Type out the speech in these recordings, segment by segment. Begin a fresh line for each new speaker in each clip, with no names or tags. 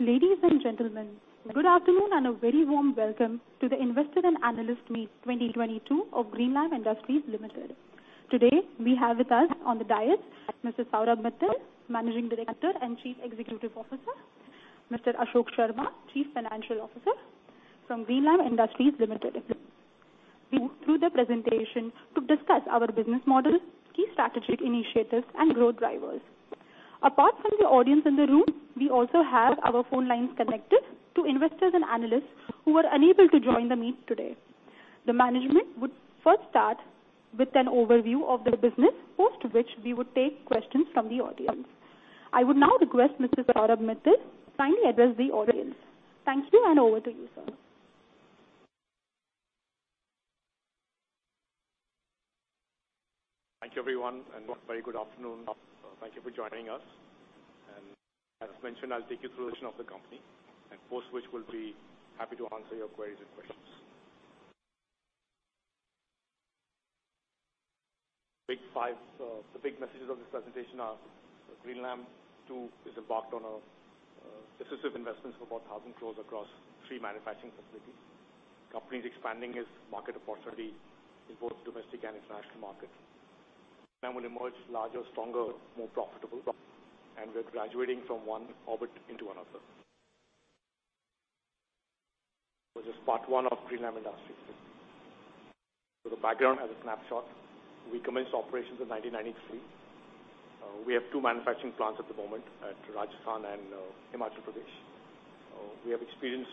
Ladies and gentlemen, good afternoon and a very warm welcome to the Investor and Analyst Meet 2022 of Greenlam Industries Limited. Today, we have with us on the dais Mr. Saurabh Mittal, Managing Director and Chief Executive Officer, Mr. Ashok Sharma, Chief Financial Officer from Greenlam Industries Limited. Through the presentation to discuss our business model, key strategic initiatives and growth drivers. Apart from the audience in the room, we also have our phone lines connected to investors and analysts who were unable to join the meet today. The management would first start with an overview of their business, post which we would take questions from the audience. I would now request Mr. Saurabh Mittal to kindly address the audience. Thank you, and over to you, sir.
Thank you, everyone, and a very good afternoon. Thank you for joining us. As mentioned, I'll take you through the mission of the company, and post which we'll be happy to answer your queries and questions. Big five, the big messages of this presentation are Greenlam 2.0 has embarked on decisive investments of about 1,000 crores across three manufacturing facilities. Company is expanding its market opportunity in both domestic and international markets. Greenlam will emerge larger, stronger, more profitable, and we're graduating from one orbit into another. This is part one of Greenlam Industries. The background has a snapshot. We commenced operations in 1993. We have two manufacturing plants at the moment at Rajasthan and Himachal Pradesh. We have experienced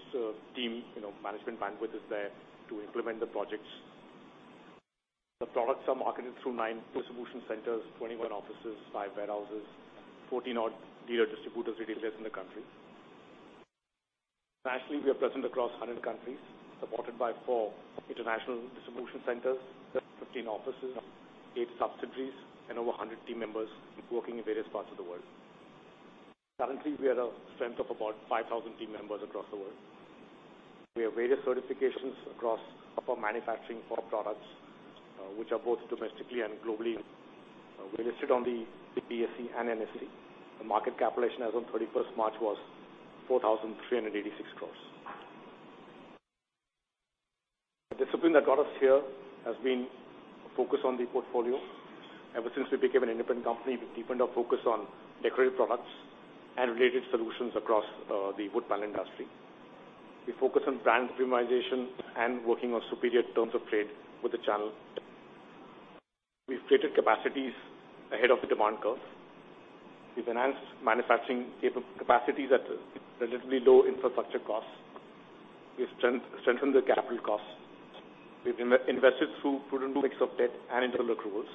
team, you know, management bandwidth is there to implement the projects. The products are marketed through nine distribution centers, 21 offices, five warehouses, 14 odd dealer distributors, retailers in the country. Nationally, we are present across 100 countries, supported by four international distribution centers, plus 15 offices, eight subsidiaries and over 100 team members working in various parts of the world. Currently, we are a strength of about 5,000 team members across the world. We have various certifications across our manufacturing for products, which are both domestically and globally. We're listed on the BSE and NSE. The market capitalization as on 31st March was 4,386 crores. The discipline that got us here has been a focus on the portfolio. Ever since we became an independent company, we've deepened our focus on decorative products and related solutions across the wood panel industry. We focus on brand premiumization and working on superior terms of trade with the channel. We've created capacities ahead of the demand curve. We've enhanced manufacturing capacities at relatively low infrastructure costs. We've strengthened the capital costs. We've invested through prudent mix of debt and internal accruals,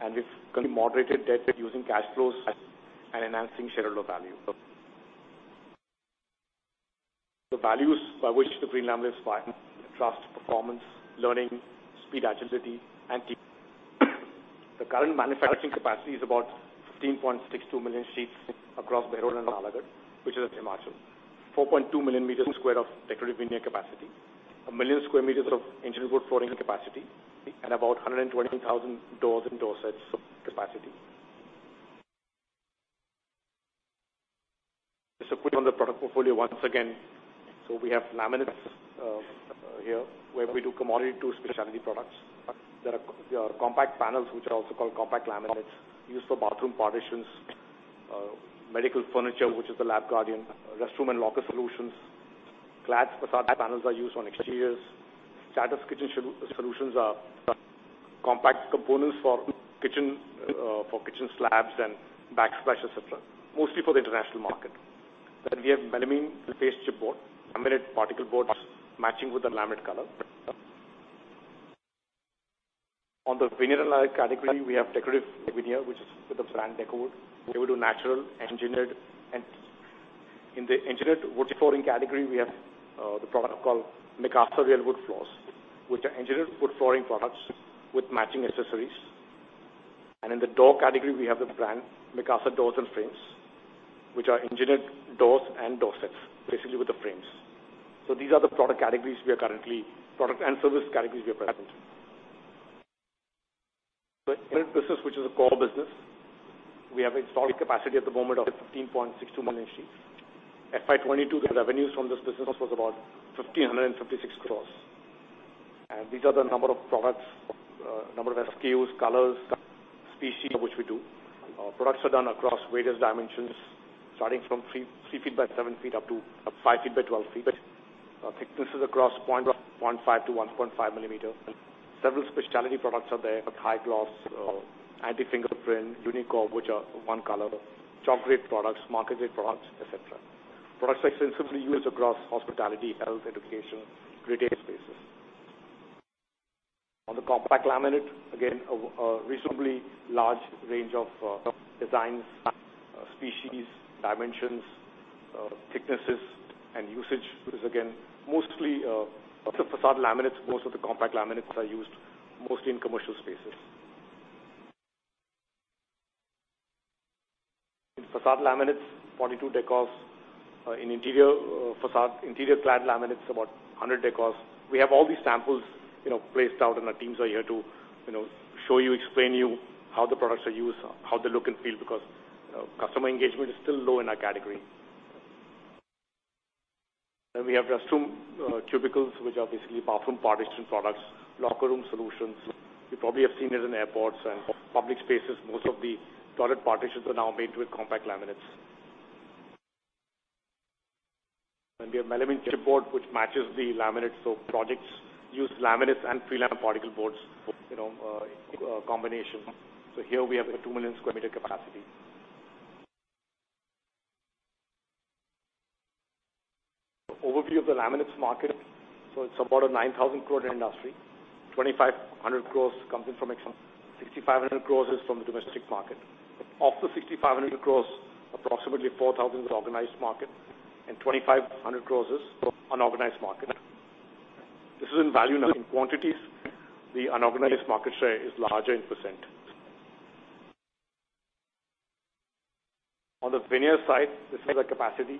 and we've moderated debt by using cash flows and enhancing shareholder value. The values by which the Greenlam is by trust, performance, learning, speed, agility, and team. The current manufacturing capacity is about 15.62 million sheets across Behror and Nalagarh, which is in Himachal. 4.2 million square meters of decorative veneer capacity, 1 million square meters of engineered wood flooring capacity, and about 120,000 doors and door sets capacity. Just a quick on the product portfolio once again. We have laminates, here, where we do commodity to specialty products. There are compact panels which are also called compact laminates used for bathroom partitions, medical furniture, which is the Lab Guardian, restroom and locker solutions. Clad facade panels are used on exteriors. Stilus kitchen solutions are compact components for kitchen, for kitchen slabs and backsplashes, et cetera, mostly for the international market. We have melamine faced chipboard, laminated particle boards matching with the laminate color. On the veneer category, we have decorative veneer, which is with the brand Decowood. We do natural, engineered. In the engineered wood flooring category, we have the product called Mikasa Real Wood Floors, which are engineered wood flooring products with matching accessories. In the door category, we have the brand Mikasa Doors and Frames, which are engineered doors and door sets, basically with the frames. These are the product categories we are currently. Product and service categories we are present. The business, which is a core business, we have installed capacity at the moment of 15.62 million sheets. FY 2022, the revenues from this business was about 1,556 crores. These are the number of products, number of SKUs, colors, species of which we do. Products are done across various dimensions, starting from 3 feet by 7 feet up to 5 feet by 12 feet. Thicknesses across 0.5-1.5 millimeter. Several specialty products are there, like high gloss, anti-fingerprint, Unicore, which are one color, chalk grade products, marker grade products, et cetera. Products extensively used across hospitality, health, education, creative spaces. On the compact laminate, again, a reasonably large range of designs, species, dimensions, thicknesses and usage. Because again, mostly, the facade laminates, most of the compact laminates are used mostly in commercial spaces. In facade laminates, 42 decors, in interior facade, interior clad laminates, about 100 decors. We have all these samples, you know, placed out, and our teams are here to, you know, show you, explain you how the products are used, how they look and feel, because, you know, customer engagement is still low in our category. We have restroom cubicles, which are basically bathroom partition products, locker room solutions. You probably have seen it in airports and public spaces. Most of the toilet partitions are now made with compact laminates. We have melamine board, which matches the laminates. Projects use laminates and pre-lam particle boards, you know, in combination. Here, we have a 2 million square meter capacity. Overview of the laminates market. It's about a 9,000 crore industry. 2,500 crores comes in from export. 6,500 crores is from the domestic market. Of the 6,500 crores, approximately 4,000 is organized market and 2,500 crores is unorganized market. This is in value, not in quantities. The unorganized market share is larger in percent. On the veneer side, this is our capacity,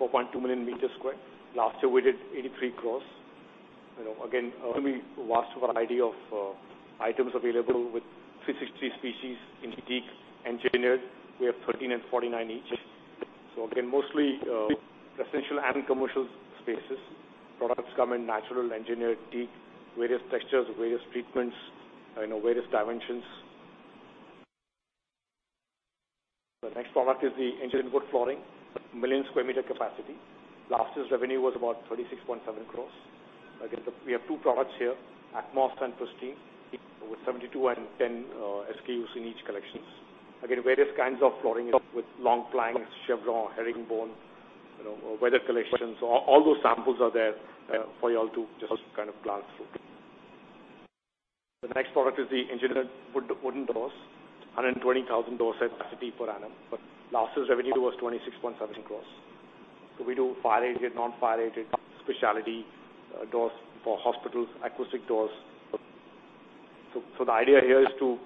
4.2 million square meters. Last year, we did 83 crore. You know, again, a vast variety of items available with 360 species. In teak engineered, we have 13% and 49% each. Again, mostly residential and commercial spaces. Products come in natural, engineered, teak, various textures, various treatments, you know, various dimensions. The next product is the engineered wood flooring, 1 million square meter capacity. Last year's revenue was about 36.7 crore. We have two products here, Atmos and Pristine, with 72 and 10 SKUs in each collections. Again, various kinds of flooring with long planks, chevron, herringbone, you know, weather collections. All those samples are there for y'all to just kind of glance through. The next product is the engineered wooden doors. 120,000 doors capacity per annum, but last year's revenue was 26.7 crore. We do fire-rated, non-fire-rated, specialty doors for hospitals, acoustic doors. The idea here is to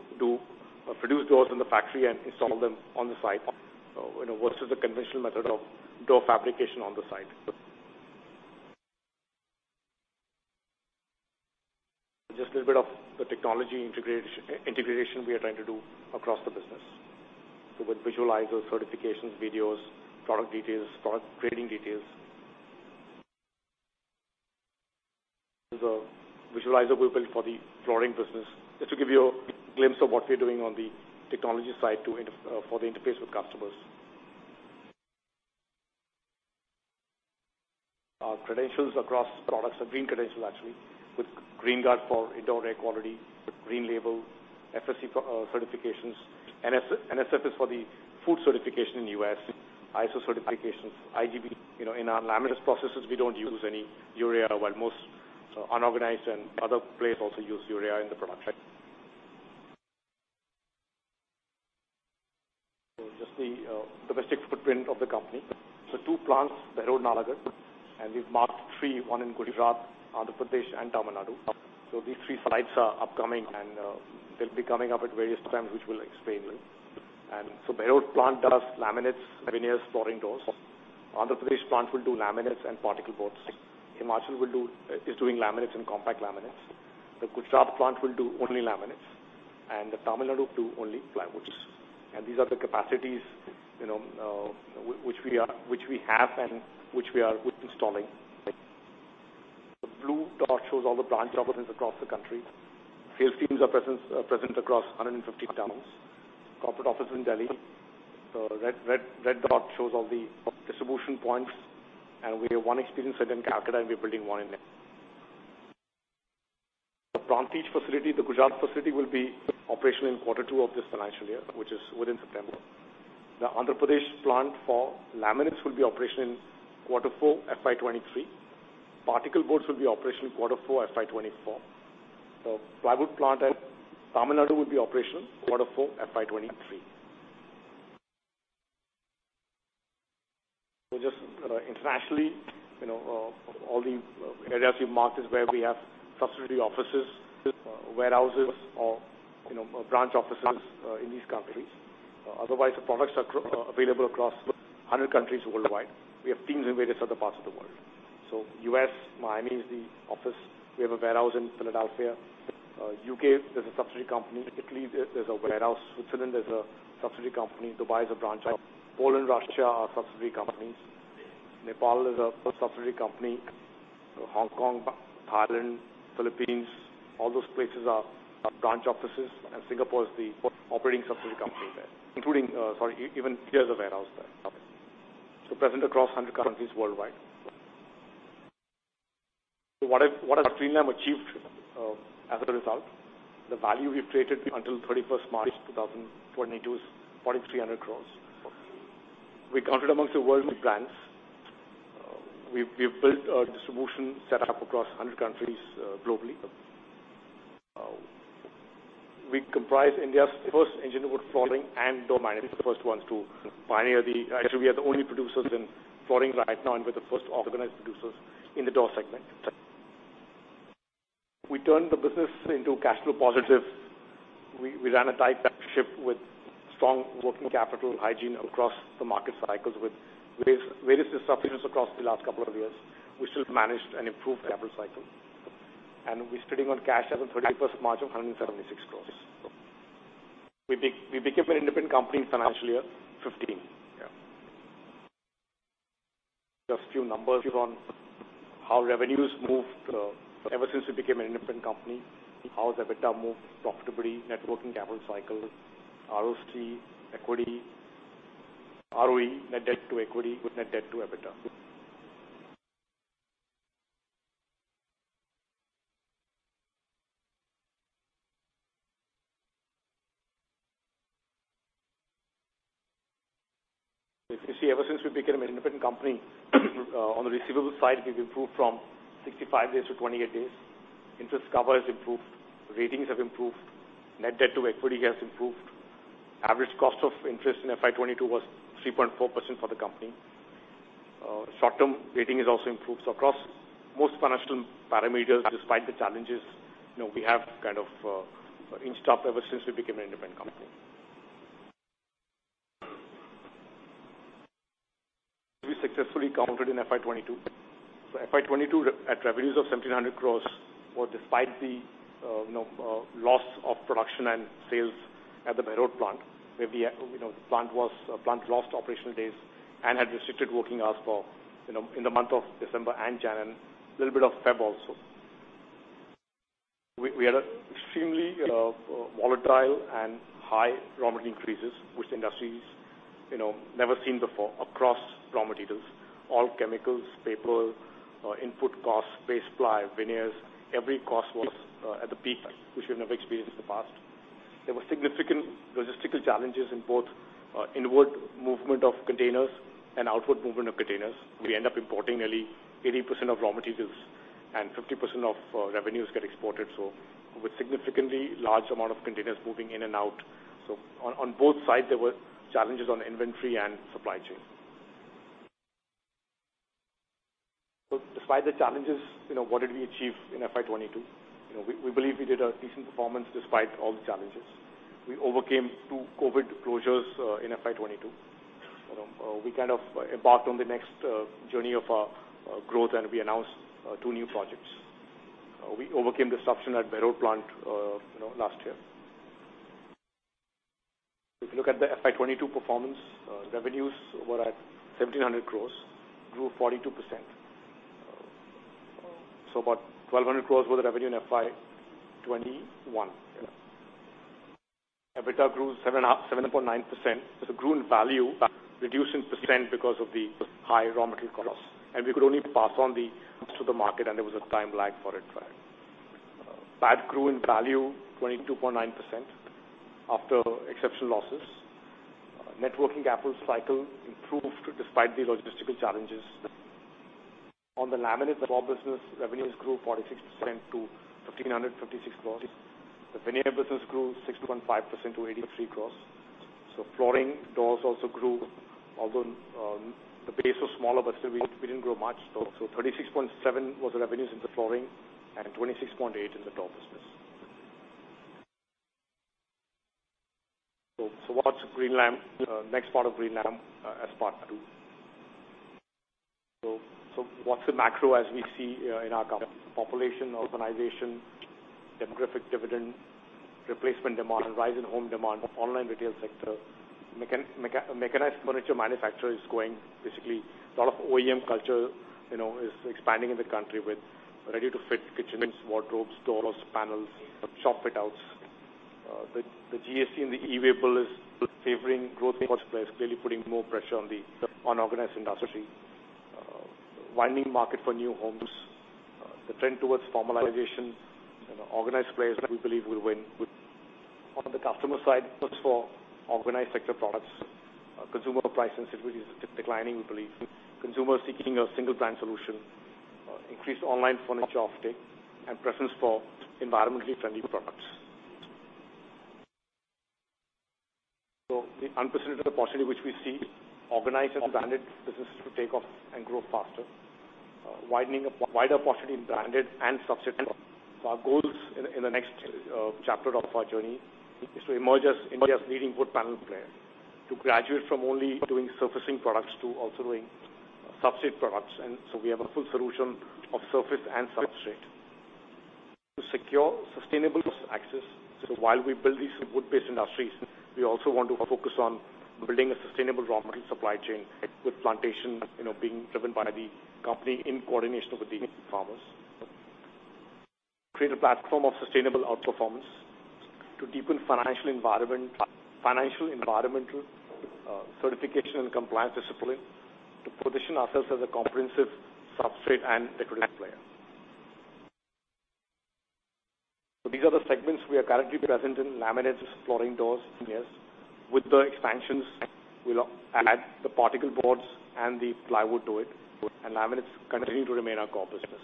produce doors in the factory and install them on the site, you know, versus the conventional method of door fabrication on the site. Just a little bit of the technology integration we are trying to do across the business. With visualizer, certifications, videos, product details, product grading details. The visualizer we built for the flooring business. Just to give you a glimpse of what we're doing on the technology side for the interface with customers. Our credentials across products are green credentials actually, with GREENGUARD for indoor air quality, with green label, FSC certifications. NSF is for the food certification in U.S. ISO certifications. IGBC. You know, in our laminates processes, we don't use any urea, while most unorganized and other players also use urea in the production. Just the domestic footprint of the company. Two plants, Behror, Nalagarh, and we've marked three, one in Gujarat, Andhra Pradesh, and Tamil Nadu. These three sites are upcoming, and they'll be coming up at various times, which we'll explain later. Behror plant does laminates, veneers, flooring, doors. Andhra Pradesh plant will do laminates and particle boards. Himachal is doing laminates and compact laminates. The Gujarat plant will do only laminates, and the Tamil Nadu do only plywoods. These are the capacities, you know, which we have and which we are installing. The blue dot shows all the branch offices across the country. Sales teams are present across 150 towns. Corporate office is in Delhi. Red, red dot shows all the distribution points, and we have one experience center in Calcutta, and we're building one in Delhi. The Prantij facility, the Gujarat facility, will be operational in quarter two of this financial year, which is within September. The Andhra Pradesh plant for laminates will be operational in quarter four, FY 2023. Particle boards will be operational quarter four, FY 2024. Plywood plant at Tamil Nadu will be operational quarter four, FY 2023. Just internationally, you know, all the areas you marked is where we have subsidiary offices, warehouses or, you know, branch offices, in these countries. Otherwise, the products are available across 100 countries worldwide. We have teams in various other parts of the world. U.S., Miami is the office. We have a warehouse in Philadelphia. U.K., there's a subsidiary company. Italy, there's a warehouse. Switzerland, there's a subsidiary company. Dubai is a branch. Poland, Russia are subsidiary companies. Nepal is a subsidiary company. Hong Kong, Thailand, Philippines, all those places are branch offices, and Singapore is the operating subsidiary company there, including, sorry, even here there's a warehouse there. Present across 100 countries worldwide. What has Greenlam achieved as a result? The value we've created until March 31, 2022 is 4,300 crore. We're counted amongst the world's plants. We've built a distribution set up across 100 countries globally. We comprise India's first engineered wood flooring and door manufacturers. The first ones to pioneer actually, we are the only producers in flooring right now, and we're the first organized producers in the door segment. We turned the business into cash flow positive. We ran a tight ship with strong working capital hygiene across the market cycles with various disruptions across the last couple of years. We still managed an improved capital cycle, and we're sitting on cash as of March 31 of 176 crore. We became an independent company in financial year 2015. Yeah. Just a few numbers here on how revenues moved, ever since we became an independent company, how the EBITDA moved, profitability, net working capital cycle, ROC, equity, ROE, net debt to equity with net debt to EBITDA. If you see ever since we became an independent company, on the receivable side, we've improved from 65 days to 28 days. Interest cover has improved. Ratings have improved. Net debt to equity has improved. Average cost of interest in FY 2022 was 3.4% for the company. Short-term rating has also improved. Across most financial parameters, despite the challenges, you know, we have kind of inched up ever since we became an independent company. We successfully countered in FY 2022. FY 2022 at revenues of 1,700 crores despite the loss of production and sales at the Behror plant, where the plant lost operational days and had restricted working hours for you know in the month of December and January, a little bit of February also. We had extremely volatile and high raw material increases which the industry has never seen before across raw materials, all chemicals, paper, input costs, base ply, veneers. Every cost was at the peak which we have never experienced in the past. There were significant logistical challenges in both inward movement of containers and outward movement of containers. We ended up importing nearly 80% of raw materials, and 50% of revenues get exported, so with significantly large amount of containers moving in and out. On both sides, there were challenges on inventory and supply chain. Despite the challenges, you know, what did we achieve in FY 2022? You know, we believe we did a decent performance despite all the challenges. We overcame two COVID closures in FY 2022. We kind of embarked on the next journey of growth and we announced two new projects. We overcame disruption at Behror plant, you know, last year. If you look at the FY 2022 performance, revenues were at 1,700 crores, grew 42%. About 1,200 crores worth of revenue in FY 2021. EBITDA grew 7.9%. Grew in value, but reduced in percent because of the high raw material costs. We could only pass on the costs to the market, and there was a time lag for it. PAT grew in value 22.9% after exceptional losses. Net working capital cycle improved despite the logistical challenges. On the laminate door business, revenues grew 46% to 1,556 crore. The veneer business grew 6.5% to 83 crore. Flooring doors also grew, although the base was smaller, but still we didn't grow much. 36.7 was the revenues in the flooring and 26.8 in the door business. What's Greenlam next part of Greenlam as part two. What's the macro as we see in our population urbanization, demographic dividend, replacement demand, rise in home demand, online retail sector, mechanized furniture manufacture is growing. Basically, a lot of OEM culture, you know, is expanding in the country with ready-to-fit kitchenwares, wardrobes, doors, panels, shop fit outs. The GST and the e-way bill is favoring growth in cost price, clearly putting more pressure on the unorganized industry. Widening market for new homes. The trend towards formalization, you know, organized players we believe will win. On the customer side, looks for organized sector products. Consumer price sensitivity is declining, we believe. Consumer seeking a single brand solution. Increased online furniture uptake and preference for environmentally friendly products. The unprecedented opportunity which we see, organized and branded businesses to take off and grow faster. Wider opportunity in branded and substrate. Our goals in the next chapter of our journey is to emerge as India's leading wood panel player. To graduate from only doing surfacing products to also doing substrate products, and so we have a full solution of surface and substrate. To secure sustainable access. While we build these wood-based industries, we also want to focus on building a sustainable raw material supply chain with plantation, you know, being driven by the company in coordination with the farmers. Create a platform of sustainable outperformance. To deepen financial environment, financial, environmental, certification and compliance discipline. To position ourselves as a comprehensive substrate and decorative player. These are the segments we are currently present in, laminates, flooring, doors, veneers. With the expansions, we'll add the particle boards and the plywood to it, and laminates continuing to remain our core business.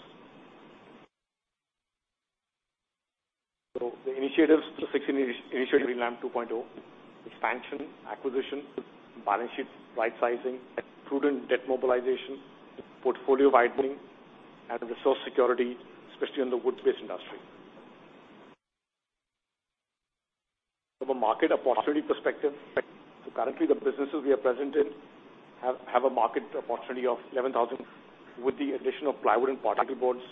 The initiatives, the six initiatives in Greenlam 2.0, expansion, acquisition, balance sheet right sizing, prudent debt mobilization, portfolio widening, and resource security, especially in the wood-based industry. From a market opportunity perspective, currently the businesses we are present in have a market opportunity of 11,000 crore. With the addition of plywood and particle boards,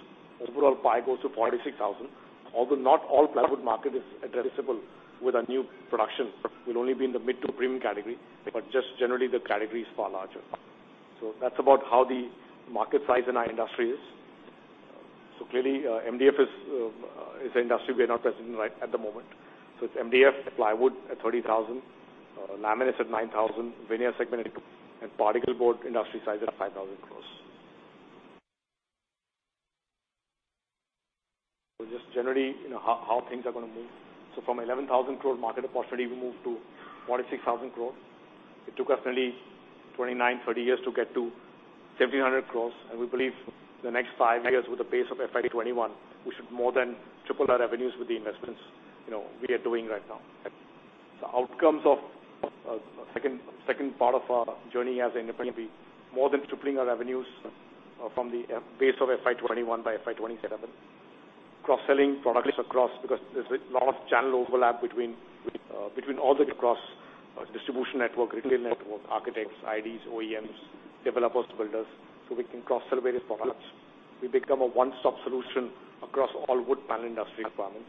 overall pie goes to 46,000 crore. Although not all plywood market is addressable with our new production. We'll only be in the mid to premium category, but just generally the category is far larger. That's about how the market size in our industry is. Clearly, MDF is an industry we are not present in right at the moment. It's MDF, plywood at 30,000 crore, laminates at 9,000 crore, veneer segment, and particleboard industry size at 5,000 crore. Just generally, you know, how things are gonna move. From 11,000 crore market opportunity, we move to 46,000 crore. It took us nearly 29, 30 years to get to 1,700 crore, and we believe the next five years with the base of FY 2021, we should more than triple our revenues with the investments, you know, we are doing right now. Outcomes of second part of our journey as an independent be more than tripling our revenues from the base of FY 2021 by FY 2027. Cross-selling products across because there's a lot of channel overlap between between all the cross distribution network, retail networks, architects, IDs, OEMs, developers, builders, so we can cross-sell various products. We become a one-stop solution across all wood panel industry requirements.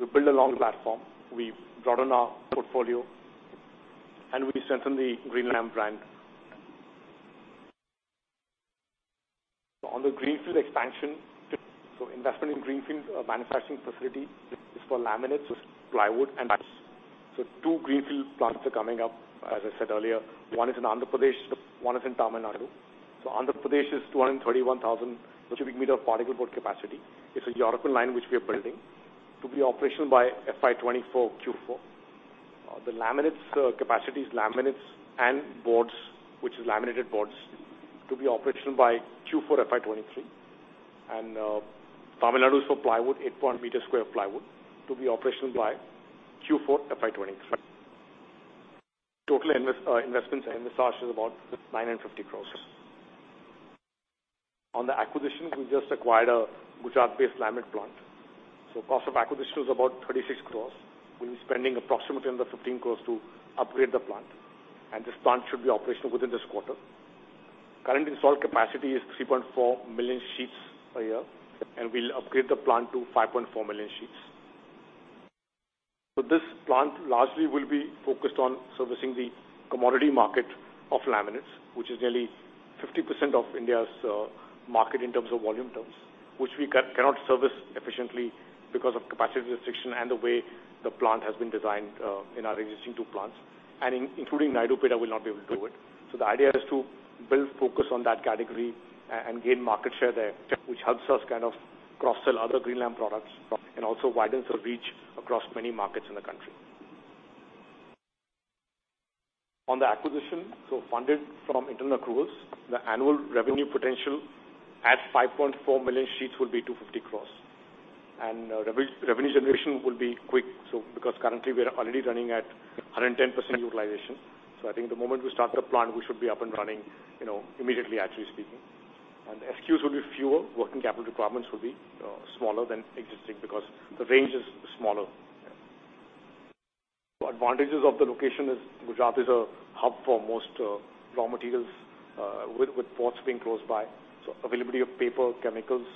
We build a strong platform. We broaden our portfolio, and we strengthen the Greenlam brand. On the greenfield expansion, investment in greenfield manufacturing facility is for laminates, plywood, and. Two greenfield plants are coming up, as I said earlier. One is in Andhra Pradesh, one is in Tamil Nadu. Andhra Pradesh is 231,000 cubic meter of particle board capacity. It's a European line which we are building to be operational by FY 2024 Q4. The laminates capacity is laminates and boards, which is laminated boards to be operational by Q4 FY 2023. Tamil Nadu's for plywood, 8,000 square meters of plywood to be operational by Q4 FY 2023. Total investments and CapEx is about 950 crore. On the acquisitions, we just acquired a Gujarat-based laminate plant. Cost of acquisition was about 36 crore. We'll be spending approximately another 15 crore to upgrade the plant, and this plant should be operational within this quarter. Current installed capacity is 3.4 million sheets a year, and we'll upgrade the plant to 5.4 million sheets. This plant largely will be focused on servicing the commodity market of laminates, which is nearly 50% of India's market in terms of volume terms, which we cannot service efficiently because of capacity restriction and the way the plant has been designed in our existing two plants. Including Naidupeta, we'll not be able to do it. The idea is to build focus on that category and gain market share there, which helps us kind of cross-sell other Greenlam products and also our reach across many markets in the country. On the acquisition, funded from internal accruals, the annual revenue potential at 5.4 million sheets will be 250 crores. Revenue generation will be quick, so because currently we are already running at 110% utilization. I think the moment we start the plant, we should be up and running, you know, immediately actually speaking. SKUs will be fewer. Working capital requirements will be smaller than existing because the range is smaller. Advantages of the location is Gujarat is a hub for most raw materials with ports being close by. Availability of paper, chemicals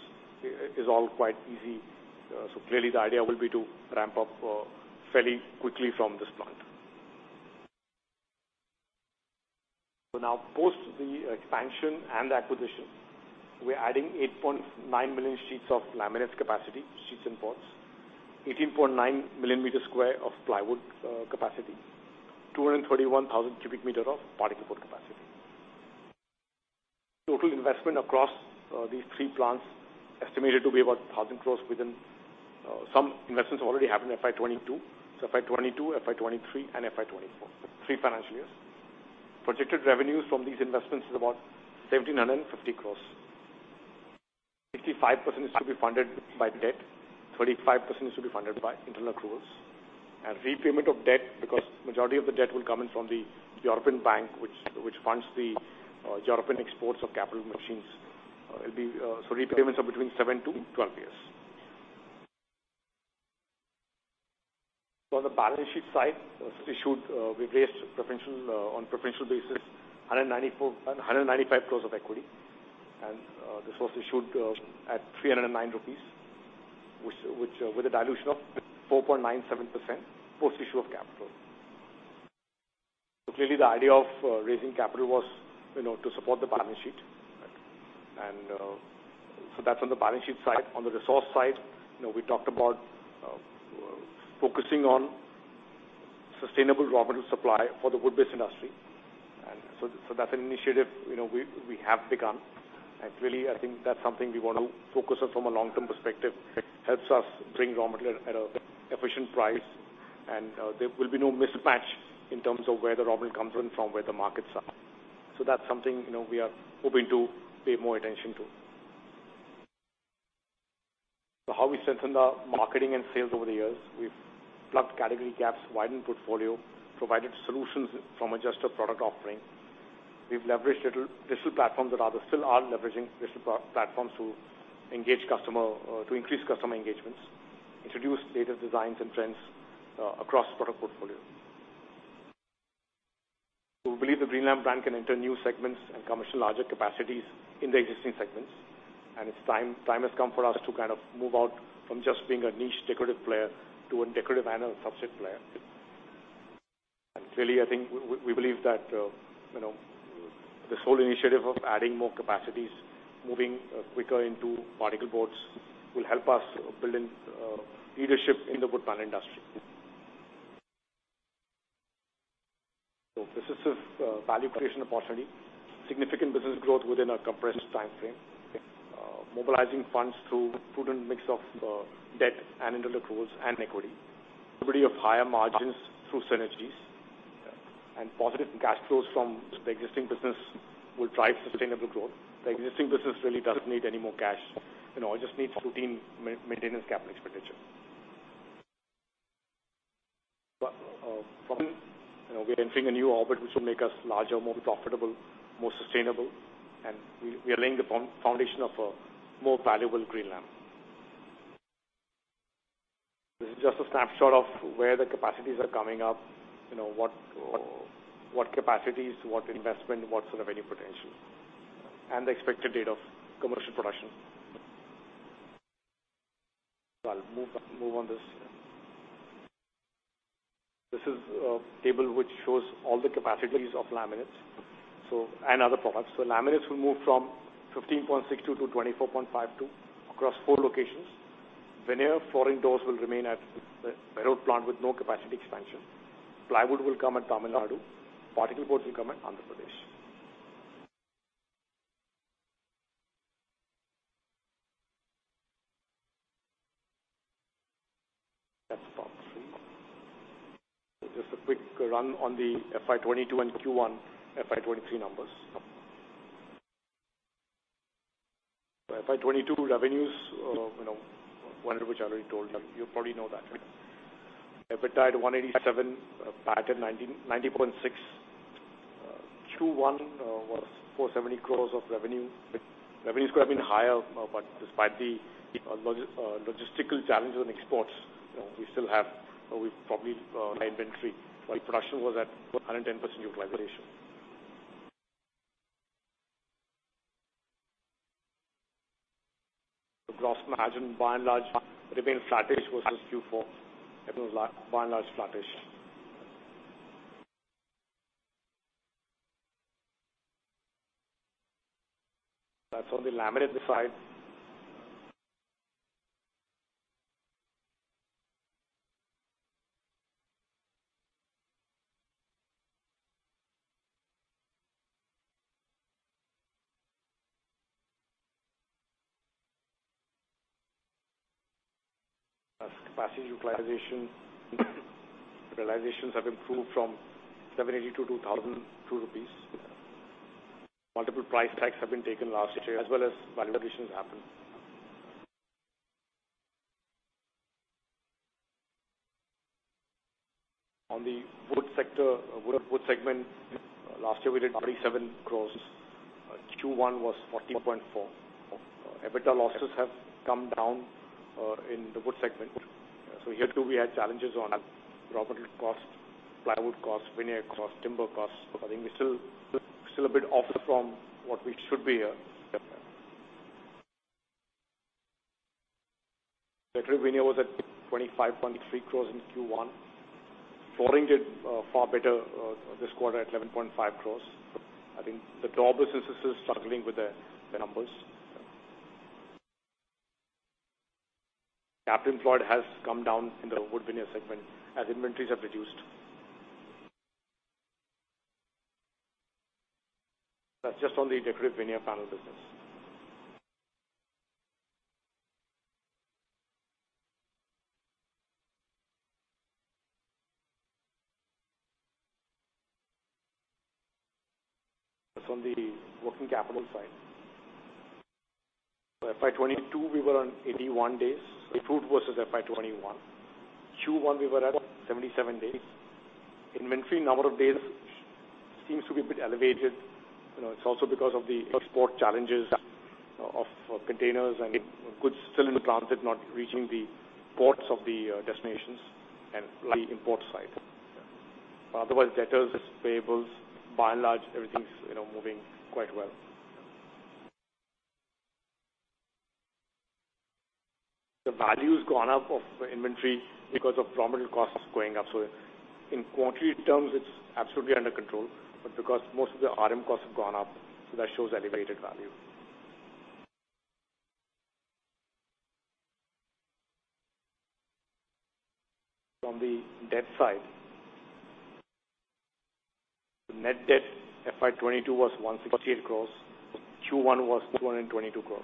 is all quite easy. Clearly the idea will be to ramp up fairly quickly from this plant. Now post the expansion and acquisition, we're adding 8.9 million sheets of laminates capacity, sheets and boards. 18.9 million square meters of plywood capacity. 231,000 cubic meters of particle board capacity. Total investment across these three plants estimated to be about 1,000 crores within some investments already happen in FY 2022. FY 2022, FY 2023 and FY 2024. Three financial years. Projected revenues from these investments is about 1,750 crores. 65% is to be funded by debt, 35% is to be funded by internal accruals. Repayment of debt, because majority of the debt will come in from the European bank which funds the European exports of capital machines. It'll be repayments are between 7-12 years. On the balance sheet side, we raised proportional on proportional basis 195 crores of equity. This was issued at 309 rupees, which, with a dilution of 4.97% post-issue of capital. Clearly the idea of raising capital was, you know, to support the balance sheet. That's on the balance sheet side. On the resource side, you know, we talked about focusing on sustainable raw material supply for the wood-based industry. That's an initiative, you know, we have begun. Really, I think that's something we wanna focus on from a long-term perspective. It helps us bring raw material at an efficient price. There will be no mismatch in terms of where the raw material comes in from, where the markets are. That's something, you know, we are hoping to pay more attention to. How we strengthened our marketing and sales over the years, we've plugged category gaps, widened portfolio, provided solutions from adjusted product offering. We've leveraged digital platforms that others still aren't leveraging digital platforms to engage customers to increase customer engagements, introduce latest designs and trends across product portfolio. We believe the Greenlam brand can enter new segments and come into larger capacities in the existing segments, and it's time has come for us to kind of move out from just being a niche decorative player to a decorative and a substrate player. Clearly, I think we believe that, you know, this whole initiative of adding more capacities, moving quicker into particleboards will help us build leadership in the woodpanel industry. This is just value creation opportunity, significant business growth within a compressed timeframe. Mobilizing funds through prudent mix of debt and internal accruals and equity. Delivery of higher margins through synergies, and positive cash flows from the existing business will drive sustainable growth. The existing business really doesn't need any more cash. You know, it just needs routine maintenance capital expenditure. For me, you know, we're entering a new orbit which will make us larger, more profitable, more sustainable, and we are laying the foundation of a more valuable Greenlam. This is just a snapshot of where the capacities are coming up, you know, what capacities, what investment, what sort of revenue potential, and the expected date of commercial production. I'll move on this. This is a table which shows all the capacities of laminates, and other products. Laminates will move from 15.62-24.52 across four locations. Veneer, flooring, doors will remain at the Meerut plant with no capacity expansion. Plywood will come at Tamil Nadu. Particleboard will come at Andhra Pradesh. That's part three. Just a quick run on the FY 2022 and Q1 FY 2023 numbers. FY 2022 revenues, you know, one which I already told you. You probably know that. EBITDA at 187 crores, PAT at 90.6 crores. Q1 was 470 crores of revenue. Revenues could have been higher, but despite the logistical challenges in exports, you know, we still have high inventory. Our production was at 110% utilization. The gross margin by and large remained flattish versus Q4. It was by and large flattish. That's on the laminate side. As capacity utilization, realizations have improved from 782 to 1,002 rupees. Multiple price hikes have been taken last year as well as value additions happened. On the wood sector, wood segment, last year we did 47 crores. Q1 was 14.4. EBITDA losses have come down in the wood segment. Here too we had challenges on raw material cost, plywood cost, veneer cost, timber cost. I think we're still a bit off from what we should be. Decorative veneer was at 25.3 crores in Q1. Flooring did far better this quarter at 11.5 crores. I think the core business is struggling with the numbers. Capital employed has come down in the wood veneer segment as inventories have reduced. That's just on the decorative veneer panel business. That's on the working capital side. For FY 2022 we were on 81 days, improved versus FY 2021. Q1 we were at 77 days. Inventory number of days seems to be a bit elevated. You know, it's also because of the export challenges of containers and goods still in the transit not reaching the ports of the destinations and like import side. Otherwise, debtors, payables, by and large, everything's, you know, moving quite well. The value's gone up of the inventory because of raw material costs going up. In quantity terms, it's absolutely under control, but because most of the RM costs have gone up, so that shows elevated value. From the debt side. The net debt FY 2022 was 168 crores. Q1 was 222 crores.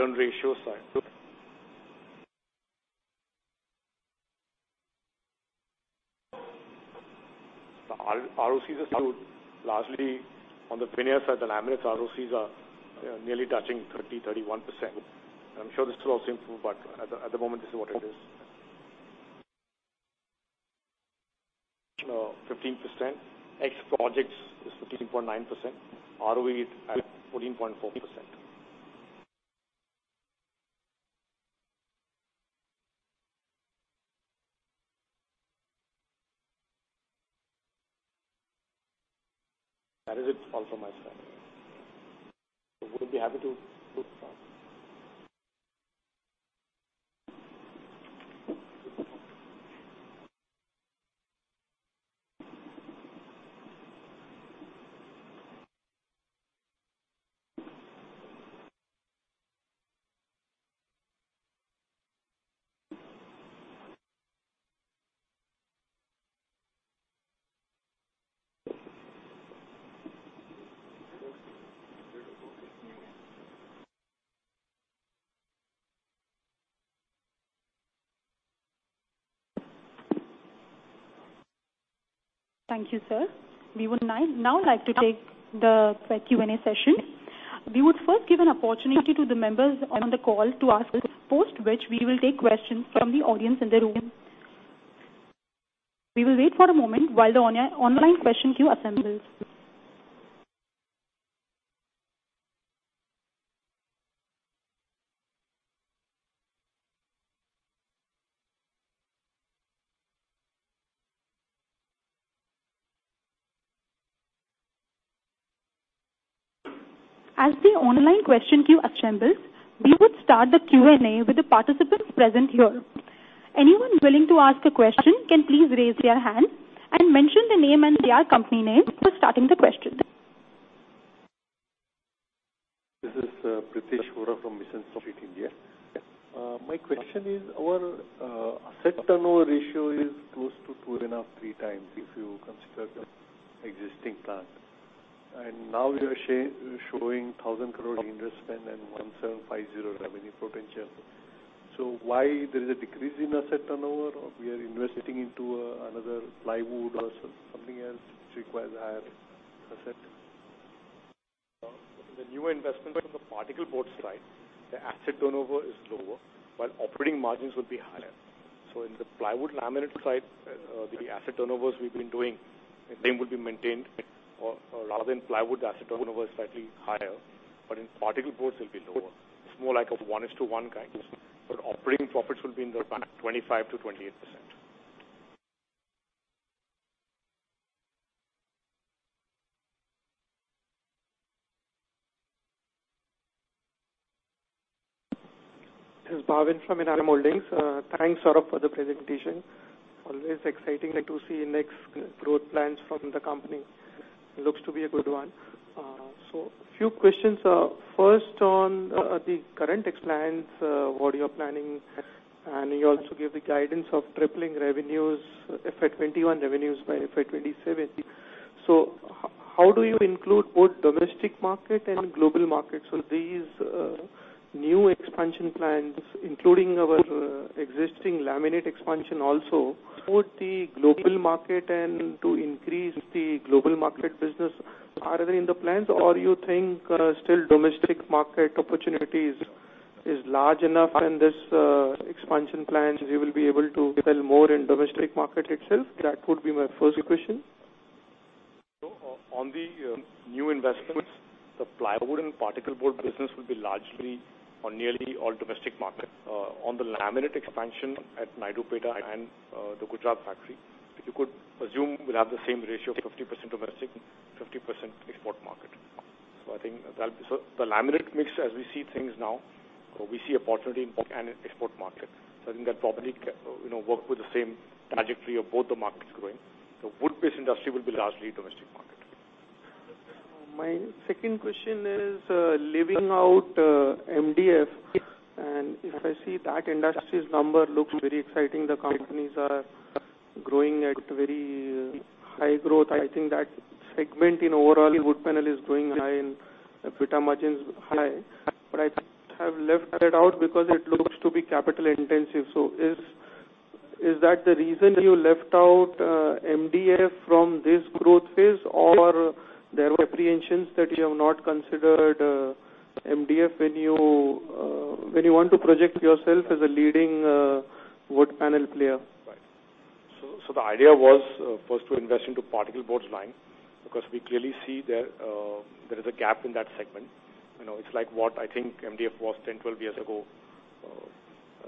On the return ratio side. The ROCs are largely on the veneer side. The laminates ROCs are nearly touching 30%-31%. I'm sure this will also improve, but at the moment, this is what it is. 15%. CapEx projects is 13.9%. ROE is 14.4%. That is it from my side. We'll be happy to
Thank you, sir. We would now like to take the Q&A session. We would first give an opportunity to the members on the call to ask, after which we will take questions from the audience in the room. We will wait for a moment while the online question queue assembles. As the online question queue assembles, we would start the Q&A with the participants present here. Anyone willing to ask a question can please raise their hand and mention their name and their company name for starting the question.
This is Pritesh Shora from Mission Street India. My question is, our asset turnover ratio is close to 2.5x-3x if you consider the existing plant. Now you are showing 1,000 crore investment and 1,750 crore revenue potential. Why there is a decrease in asset turnover or we are investing into another plywood or something else which requires higher asset?
The new investment from the particle board side, the asset turnover is lower, but operating margins will be higher. In the plywood laminate side, the asset turnovers we've been doing, the same will be maintained. Rather than plywood asset turnover is slightly higher, but in particle boards it'll be lower. It's more like a 1:1 kind. Operating profits will be in the range of 25%-28%.
This is Bhavin from Enam Holdings. Thanks, Saurabh Mittal, for the presentation. Always exciting like to see next growth plans from the company. Looks to be a good one. A few questions. First on the current plans, what you're planning, and you also gave the guidance of tripling revenues, FY 2021 revenues by FY 2027. How do you include both domestic market and global markets? Will these new expansion plans, including our existing laminate expansion also support the global market and to increase the global market business? Are they in the plans or you think still domestic market opportunities is large enough and this expansion plans you will be able to sell more in domestic market itself? That would be my first question.
On the new investments, the plywood and particle board business will be largely or nearly all domestic market. On the laminate expansion at Naidupeta and the Gujarat factory, you could presume we'll have the same ratio, 50% domestic, 50% export market. The laminate mix as we see things now, we see opportunity in export market. I think that probably can, you know, work with the same trajectory of both the markets growing. Wood-based industry will be largely domestic market.
My second question is, leaving out MDF, and if I see that industry's number looks very exciting. The companies are growing at very high growth. I think that segment in overall wood panel is growing high and EBITDA margins high. I have left that out because it looks to be capital intensive. Is that the reason you left out MDF from this growth phase? Or there were apprehensions that you have not considered MDF when you want to project yourself as a leading wood panel player?
Right. The idea was first to invest into particle boards line because we clearly see there is a gap in that segment. You know, it's like what I think MDF was 10, 12 years ago.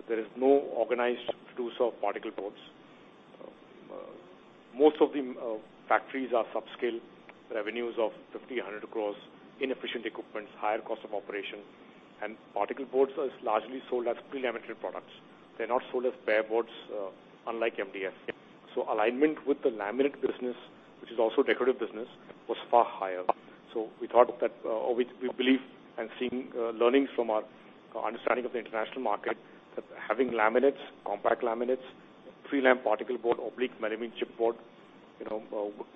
There is no organized producer of particle boards. Most of the factories are subscale, revenues of 50-100 crores, inefficient equipments, higher cost of operation. Particle boards is largely sold as pre-laminated products. They're not sold as bare boards, unlike MDF. Alignment with the laminate business, which is also decorative business, was far higher. We believe, seeing learnings from our understanding of the international market, that having laminates, compact laminates, pre-lam particle board or like melamine chipboard, you know,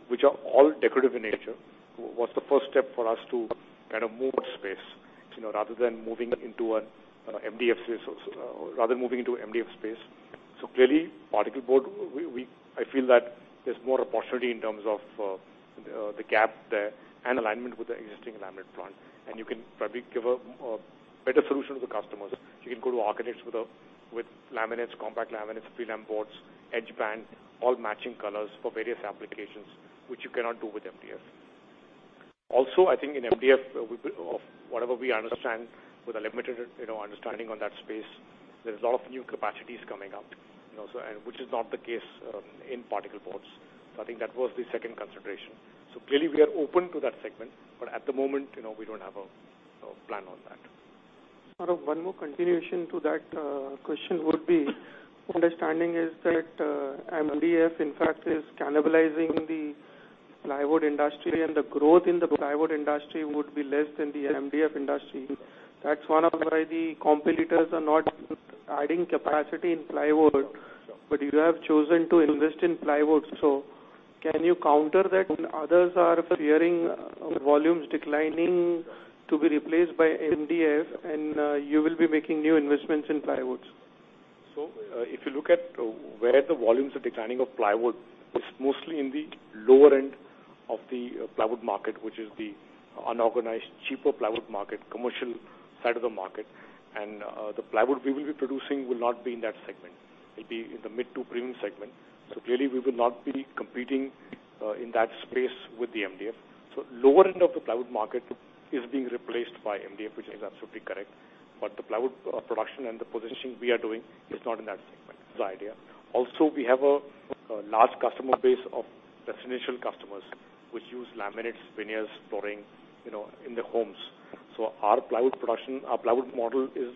which are all decorative in nature, was the first step for us to kind of move into that space, you know, rather than moving into an MDF space. Clearly, particle board, I feel that there's more opportunity in terms of the gap there and alignment with the existing laminate plant. You can probably give a better solution to the customers. You can go to architects with laminates, compact laminates, pre-lam boards, edge band, all matching colors for various applications, which you cannot do with MDF. Also, I think in MDF, with whatever we understand with a limited, you know, understanding on that space, there's a lot of new capacities coming up, you know, and which is not the case in particle boards. I think that was the second consideration. Clearly, we are open to that segment, but at the moment, you know, we don't have a plan on that.
Sir, one more continuation to that question would be, understanding is that MDF, in fact, is cannibalizing the plywood industry, and the growth in the plywood industry would be less than the MDF industry. That's one of why the competitors are not adding capacity in plywood, but you have chosen to invest in plywood. Can you counter that when others are fearing volumes declining to be replaced by MDF, and you will be making new investments in plywoods?
If you look at where the volumes are declining of plywood, it's mostly in the lower end of the plywood market, which is the unorganized, cheaper plywood market, commercial side of the market. The plywood we will be producing will not be in that segment. It'll be in the mid to premium segment. Clearly, we will not be competing in that space with the MDF. Lower end of the plywood market is being replaced by MDF, which is absolutely correct. The plywood production and the positioning we are doing is not in that segment. That's the idea. Also, we have a large customer base of residential customers which use laminates, veneers, flooring, you know, in their homes. Our plywood production, our plywood model is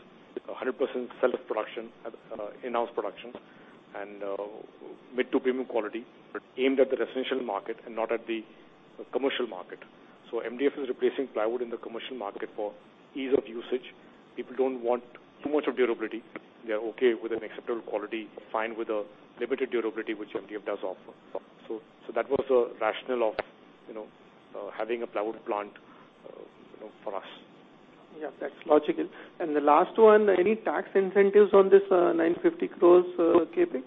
100% sale of production, in-house production and mid- to premium quality, but aimed at the residential market and not at the commercial market. MDF is replacing plywood in the commercial market for ease of usage. People don't want too much of durability. They are okay with an acceptable quality, fine with a limited durability, which MDF does offer. That was the rationale of, you know, having a plywood plant, you know, for us.
Yeah, that's logical. The last one, any tax incentives on this 950 crore CapEx?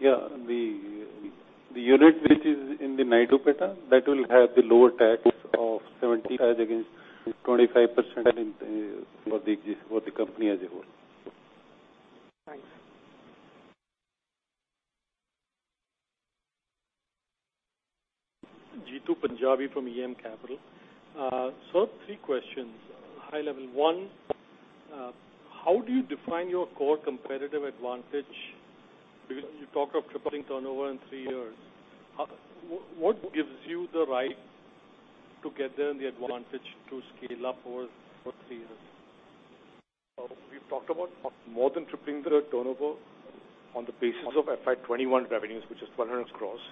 The unit which is in Naidupeta, that will have the lower tax of 75% against 25% for the company as a whole.
Thanks.
Jeetu Panjabi from EM Capital. Sir, three questions. High level one, how do you define your core competitive advantage? Because you talk of tripling turnover in three years. What gives you the right to get there and the advantage to scale up over three years?
We've talked about more than tripling the turnover on the basis of FY 2021 revenues, which is 100 crores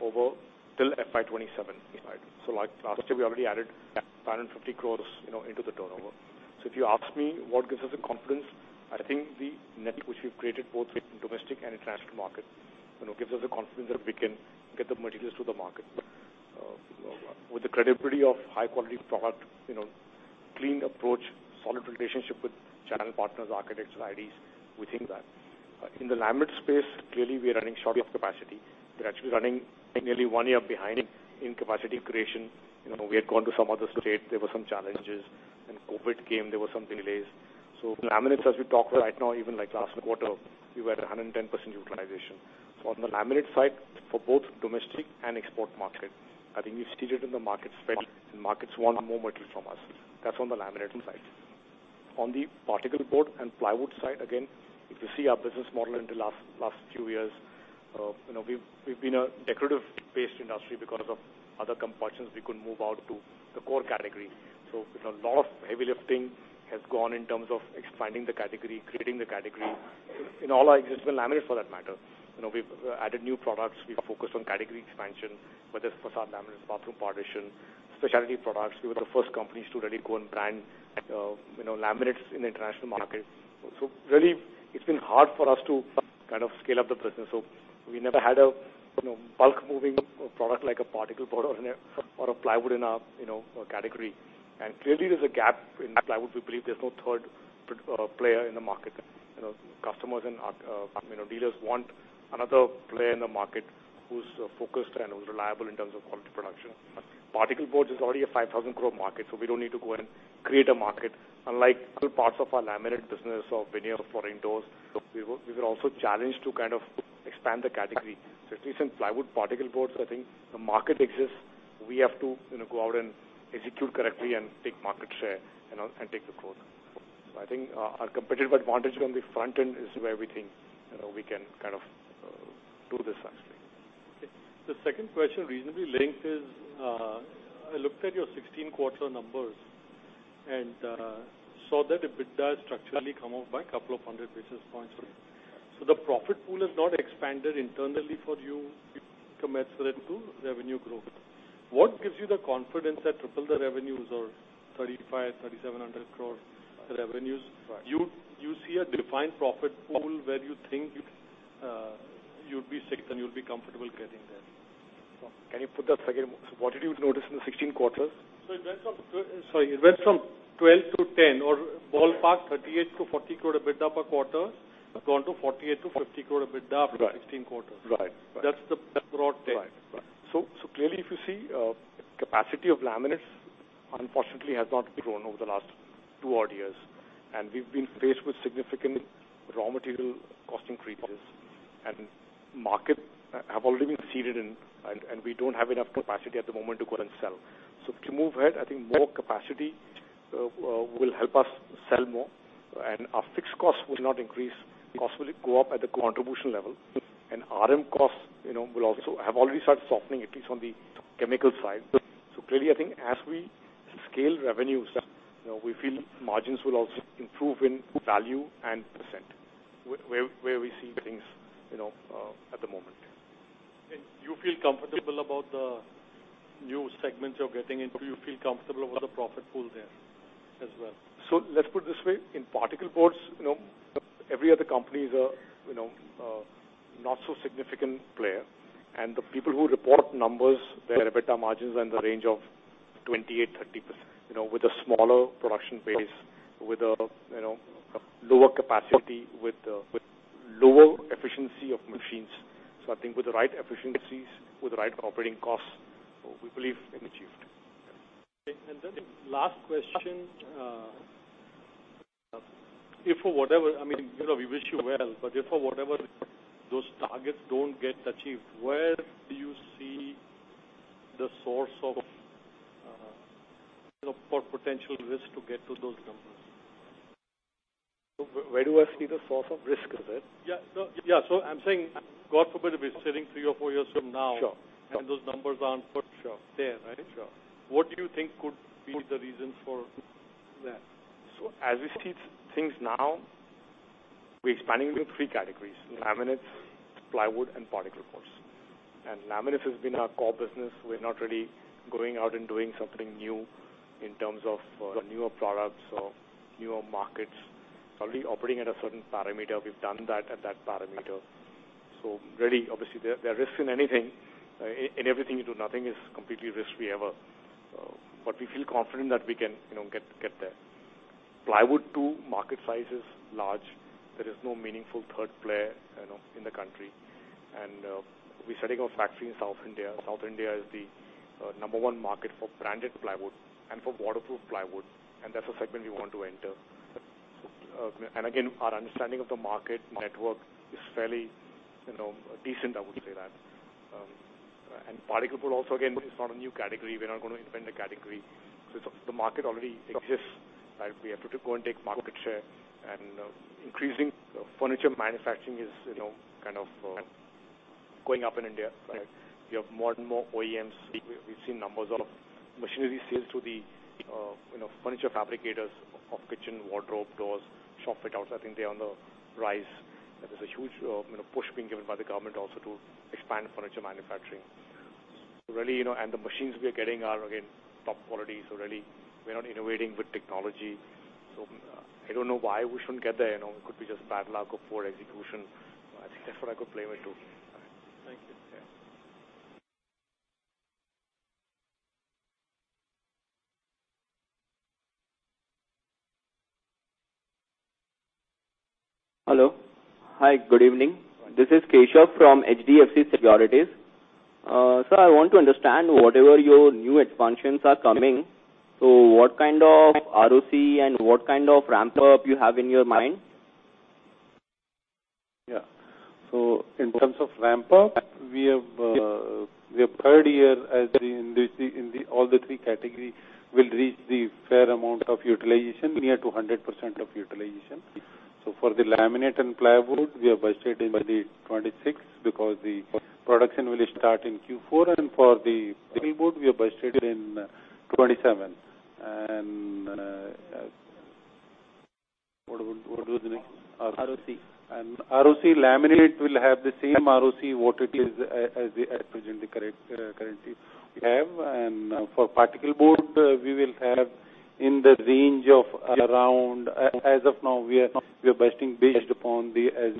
over till FY 2027. Like last year, we already added 150 crores, you know, into the turnover. If you ask me what gives us the confidence, I think the network which we've created both in domestic and international market, you know, gives us the confidence that we can get the materials to the market. With the credibility of high quality product, you know, clean approach, solid relationship with channel partners, architects, IDs, we think that. In the laminate space, clearly, we are running short of capacity. We're actually running nearly one year behind in capacity creation. You know, we had gone to some other state. There were some challenges. When COVID came, there were some delays. Laminates, as we talked right now, even like last quarter, we were at 110% utilization. On the laminate side, for both domestic and export market, I think we've steered in the market share, and markets want more material from us. That's on the laminates side. On the particle board and plywood side, again, if you see our business model in the last few years, you know, we've been a decorative-based industry because of other compulsions we could move out to the core category. A lot of heavy lifting has gone in terms of expanding the category, creating the category. In all our existing laminates for that matter. You know, we've added new products. We've focused on category expansion, whether it's facade laminates, bathroom partition, specialty products. We were the first company to really go and brand, you know, laminates in the international market. Really, it's been hard for us to kind of scale up the business. We never had a, you know, bulk moving product like a particle board or a, or a plywood in our, you know, category. Clearly, there's a gap in plywood. We believe there's no third player in the market. You know, customers and our, you know, dealers want another player in the market who's focused and who's reliable in terms of quality production. Particle boards is already a 5,000 crore market, so we don't need to go and create a market. Unlike other parts of our laminate business or veneer or flooring doors, we were also challenged to kind of expand the category. At least in plywood particle boards, I think the market exists. We have to, you know, go out and execute correctly and take market share and take the growth. I think our competitive advantage on the front end is where we think, you know, we can kind of do this one.
The second question reasonably linked is, I looked at your 16 quarter numbers and saw that EBITDA has structurally come up by a couple of hundred basis points. The profit pool has not expanded internally for you commensurate to revenue growth. What gives you the confidence that triple the revenues or 3,500-3,700 crore revenues, you see a defined profit pool where you think you'd be safe and you'll be comfortable getting there?
Can you put that again? What did you notice in the 16 quarters?
It went from 12-10 or ballpark 38-40 crore EBITDA per quarter, gone to 48-50 crore EBITDA for 16 quarters.
Right.
That's the broad take.
Right. Clearly, if you see, capacity of laminates unfortunately has not grown over the last two odd years, and we've been faced with significant raw material cost creep and market have already been ceded and we don't have enough capacity at the moment to go and sell. To move ahead, I think more capacity will help us sell more and our fixed costs will not increase, costs will go up at the contribution level and RM costs, you know, will also have already started softening at least on the chemical side. Clearly, I think as we scale revenues, you know, we feel margins will also improve in value and percent where we see things, you know, at the moment.
You feel comfortable about the new segments you're getting into? You feel comfortable about the profit pool there as well?
Let's put it this way. In particle boards, you know, every other company is a, you know, a not so significant player, and the people who report numbers, their EBITDA margins are in the range of 28%-30%, you know, with a smaller production base, with a, you know, lower capacity, with lower efficiency of machines. I think with the right efficiencies, with the right operating costs, we believe can be achieved.
The last question, I mean, you know, we wish you well, but if for whatever those targets don't get achieved, where do you see the source of, you know, potential risk to get to those numbers?
Where do I see the source of risk, is it?
I'm saying, God forbid, we're sitting three or four years from now.
Sure.
Those numbers aren't there, right?
Sure.
What do you think could be the reason for that?
As we see things now, we're expanding into three categories, laminates, plywood and particle boards. Laminates has been our core business. We're not really going out and doing something new in terms of newer products or newer markets. It's already operating at a certain parameter. We've done that at that parameter. Really, obviously, there are risks in anything, in everything you do. Nothing is completely risk-free ever. But we feel confident that we can, you know, get there. Plywood too, market size is large. There is no meaningful third player, you know, in the country. We're setting our factory in South India. South India is the number one market for branded plywood and for waterproof plywood, and that's a segment we want to enter. Our understanding of the market network is fairly, you know, decent, I would say that. Particle board also, again, it's not a new category. We're not going to invent a category. The market already exists, right? We have to go and take market share. Increasing furniture manufacturing is, you know, kind of, going up in India. We have more and more OEMs. We've seen numbers of machinery sales to the, you know, furniture fabricators of kitchen wardrobe doors, shop fit outs. I think they are on the rise. There's a huge, you know, push being given by the government also to expand furniture manufacturing. Really, you know, the machines we are getting are, again, top quality. Really, we are not innovating with technology. I don't know why we shouldn't get there. You know, it could be just bad luck or poor execution. I think that's what I could blame it to.
Thank you.
Yeah.
Hello. Hi, good evening. This is Keshav from HDFC Securities. Sir, I want to understand whatever your new expansions are coming, so what kind of ROC and what kind of ramp up you have in your mind?
Yeah. In terms of ramp up, we have third year as in the all the three category will reach the fair amount of utilization, near to 100% of utilization. For the laminate and plywood, we are budgeting by the 2026 because the production will start in Q4. For the particle board, we are budgeting in 2027. What was the next?
ROC.
ROC for laminate will have the same ROC as it is as the current currently we have. For particle board, we will have in the range of around. As of now, we are budgeting based upon the, as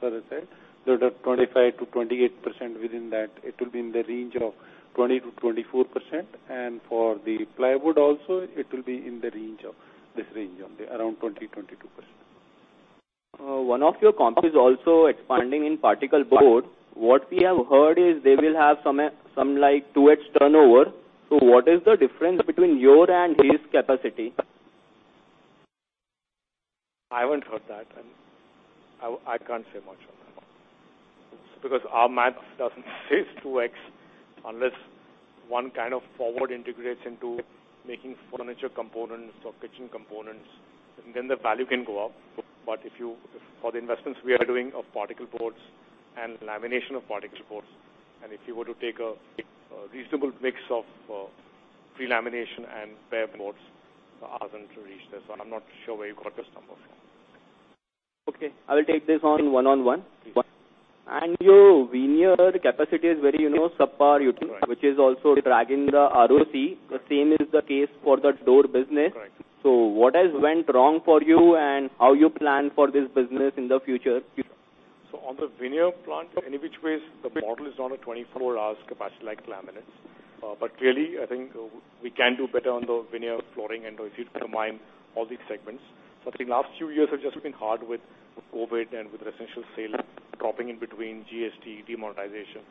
sir has said, the 25%-28% within that. It will be in the range of 20%-24%. For the plywood also, it will be in the range of this range only, around 20, 22%.
One of your competitor is also expanding in particle board. What we have heard is they will have some like 2x turnover. What is the difference between your and his capacity?
I haven't heard that, and I can't say much on that one. Because our math doesn't say it's 2x unless one kind of forward integration into making furniture components or kitchen components, and then the value can go up. But if you, for the investments we are doing of particle boards and lamination of particle boards, and if you were to take a reasonable mix of pre-lamination and bare boards for us to reach this. I'm not sure where you got those numbers from.
Okay. I will take this on one-on-one.
Please.
Your veneer capacity is very, you know, subpar, you think?
Right.
Which is also dragging the ROC.
Right.
The same is the case for the door business.
Right.
What has went wrong for you and how you plan for this business in the future?
On the veneer plant, any which ways, the model is not a 24-hour capacity like laminates. Clearly, I think we can do better on the veneer flooring and if you combine all these segments. I think last few years have just been hard with COVID and with residential sales dropping in between GST, demonetization.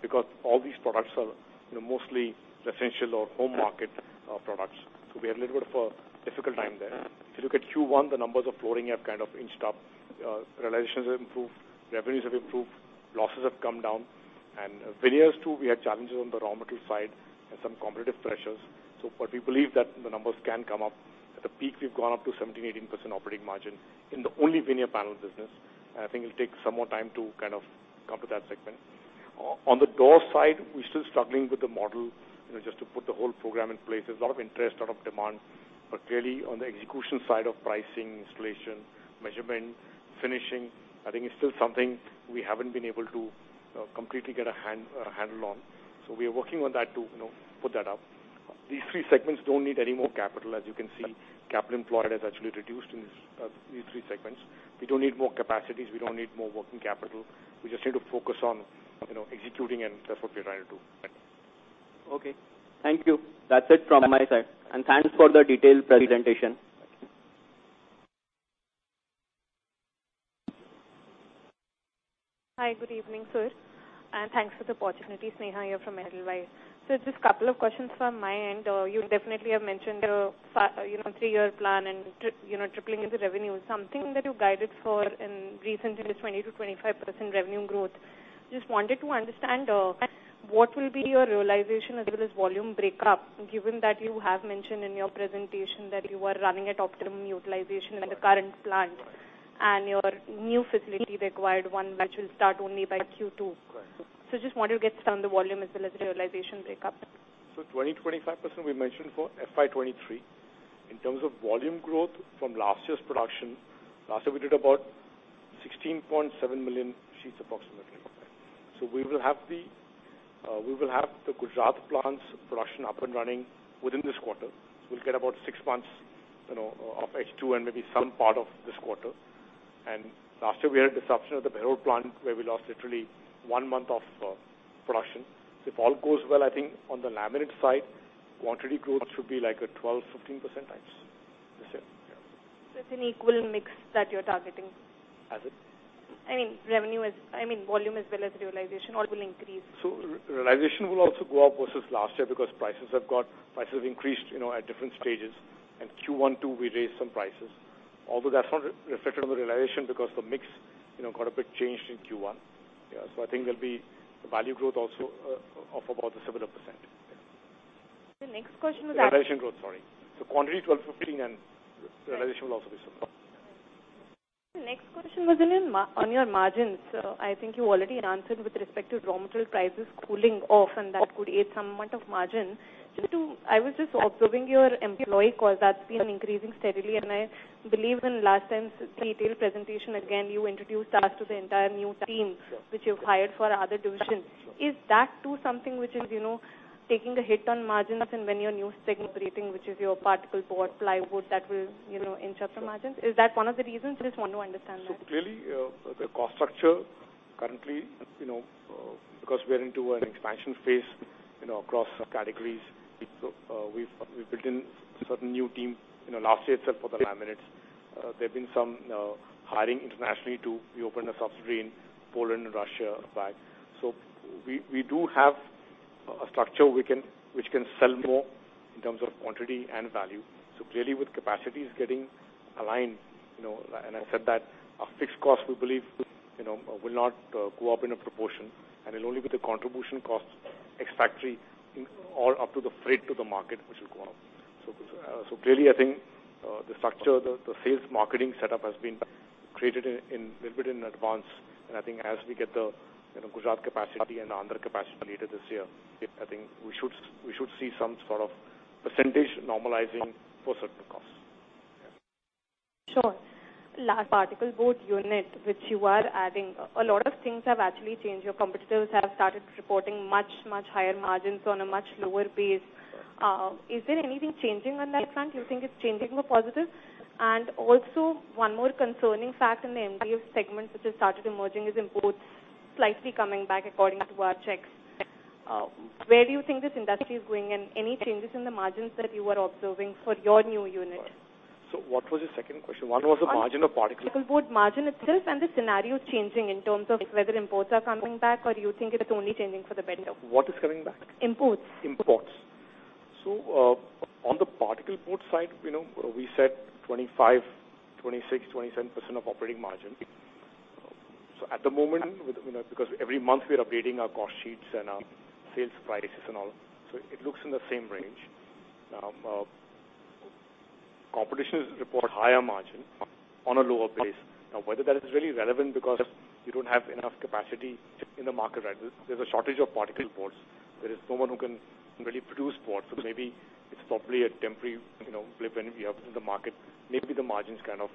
Because all these products are, you know, mostly residential or home market products. We had a little bit of a difficult time there. If you look at Q1, the numbers of flooring have kind of inched up. Realizations have improved, revenues have improved, losses have come down. Veneers too, we had challenges on the raw material side and some competitive pressures. We believe that the numbers can come up. At the peak, we've gone up to 17%-18% operating margin in the only veneer panel business. I think it'll take some more time to kind of come to that segment. On the door side, we're still struggling with the model, you know, just to put the whole program in place. There's a lot of interest, a lot of demand. Clearly, on the execution side of pricing, installation, measurement, finishing, I think it's still something we haven't been able to completely get a hand, a handle on. We are working on that to, you know, put that up. These three segments don't need any more capital. As you can see, capital employed has actually reduced in these three segments. We don't need more capacities. We don't need more working capital. We just need to focus on, you know, executing and that's what we're trying to do.
Okay. Thank you. That's it from my side. Thanks for the detailed presentation.
Thank you.
Hi, good evening, Suresh, and thanks for the opportunity. Sneha here from Edelweiss. Just a couple of questions from my end. You definitely have mentioned your three-year plan and tripling the revenue, something that you guided for in recent years, 20%-25% revenue growth. Just wanted to understand what will be your realization as well as volume break up, given that you have mentioned in your presentation that you are running at optimum utilization in the current plant.
Right.
Your new facility required one which will start only by Q2.
Right.
Just want to get some of the volume as well as the realization break up.
20-25% we mentioned for FY 2023. In terms of volume growth from last year's production, last year we did about 16.7 million sheets approximately. We will have the Gujarat plant's production up and running within this quarter. We'll get about six months of H2 and maybe some part of this quarter. Last year, we had the shutdown of the Behror plant where we lost literally one month of production. If all goes well, I think on the laminate side, quantity growth should be like a 12%-15% types this year.
That's an equal mix that you're targeting.
As in?
I mean, volume as well as realization all will increase.
Realization will also go up versus last year because prices increased, you know, at different stages. Q1, too, we raised some prices. Although that's not reflected on the realization because the mix, you know, got a bit changed in Q1. Yeah. I think there'll be the value growth also of about a similar percent. Yeah.
The next question was.
Realization growth, sorry. Quantity 12%, 15%, and realization will also be similar.
The next question was on your margins. I think you already answered with respect to raw material prices cooling off, and that could aid somewhat of margin. I was just observing your employee cost that's been increasing steadily, and I believe in last time's detailed presentation, again, you introduced us to the entire new team.
Sure.
which you've hired for other divisions.
Sure.
Is that too something which is, you know, taking a hit on margins and when your new segment operating, which is your particle board, plywood that will, you know, inch up the margins?
Sure.
Is that one of the reasons? I just want to understand that.
Clearly, the cost structure currently, you know, because we are into an expansion phase, you know, across categories, we've built in certain new team, you know, last year itself for the laminates. There have been some hiring internationally to reopen a subsidiary in Poland and Russia back. We do have a structure which can sell more in terms of quantity and value. Clearly, with capacities getting aligned, you know, and I said that our fixed costs, we believe, you know, will not go up in a proportion, and it'll only be the contribution costs ex-factory or up to the freight to the market which will go up. Clearly, I think, the structure, the sales marketing setup has been created a little bit in advance. I think as we get the, you know, Gujarat capacity and the Andhra capacity later this year, I think we should see some sort of percentage normalizing for certain costs. Yeah.
Sure. Last particle board unit which you are adding, a lot of things have actually changed. Your competitors have started reporting much, much higher margins on a much lower base. Is there anything changing on that front? Do you think it's changing for positive? Also one more concerning fact in the MDF segment which has started emerging is imports slightly coming back according to our checks. Where do you think this industry is going and any changes in the margins that you are observing for your new unit?
What was your second question? One was the margin of particle.
Particle board margin itself, and the scenario changing in terms of whether imports are coming back or you think it is only changing for the better?
What is coming back?
Imports.
Imports. On the particle board side, you know, we said 25, 26, 27% of operating margin. At the moment, with, you know, because every month we are updating our cost sheets and our sales prices and all, it looks in the same range. Competition is reporting higher margin on a lower base. Whether that is really relevant because you don't have enough capacity in the market right now. There is a shortage of particle boards. There is no one who can really produce boards. Maybe it is probably a temporary, you know, blip in the market. The margins kind of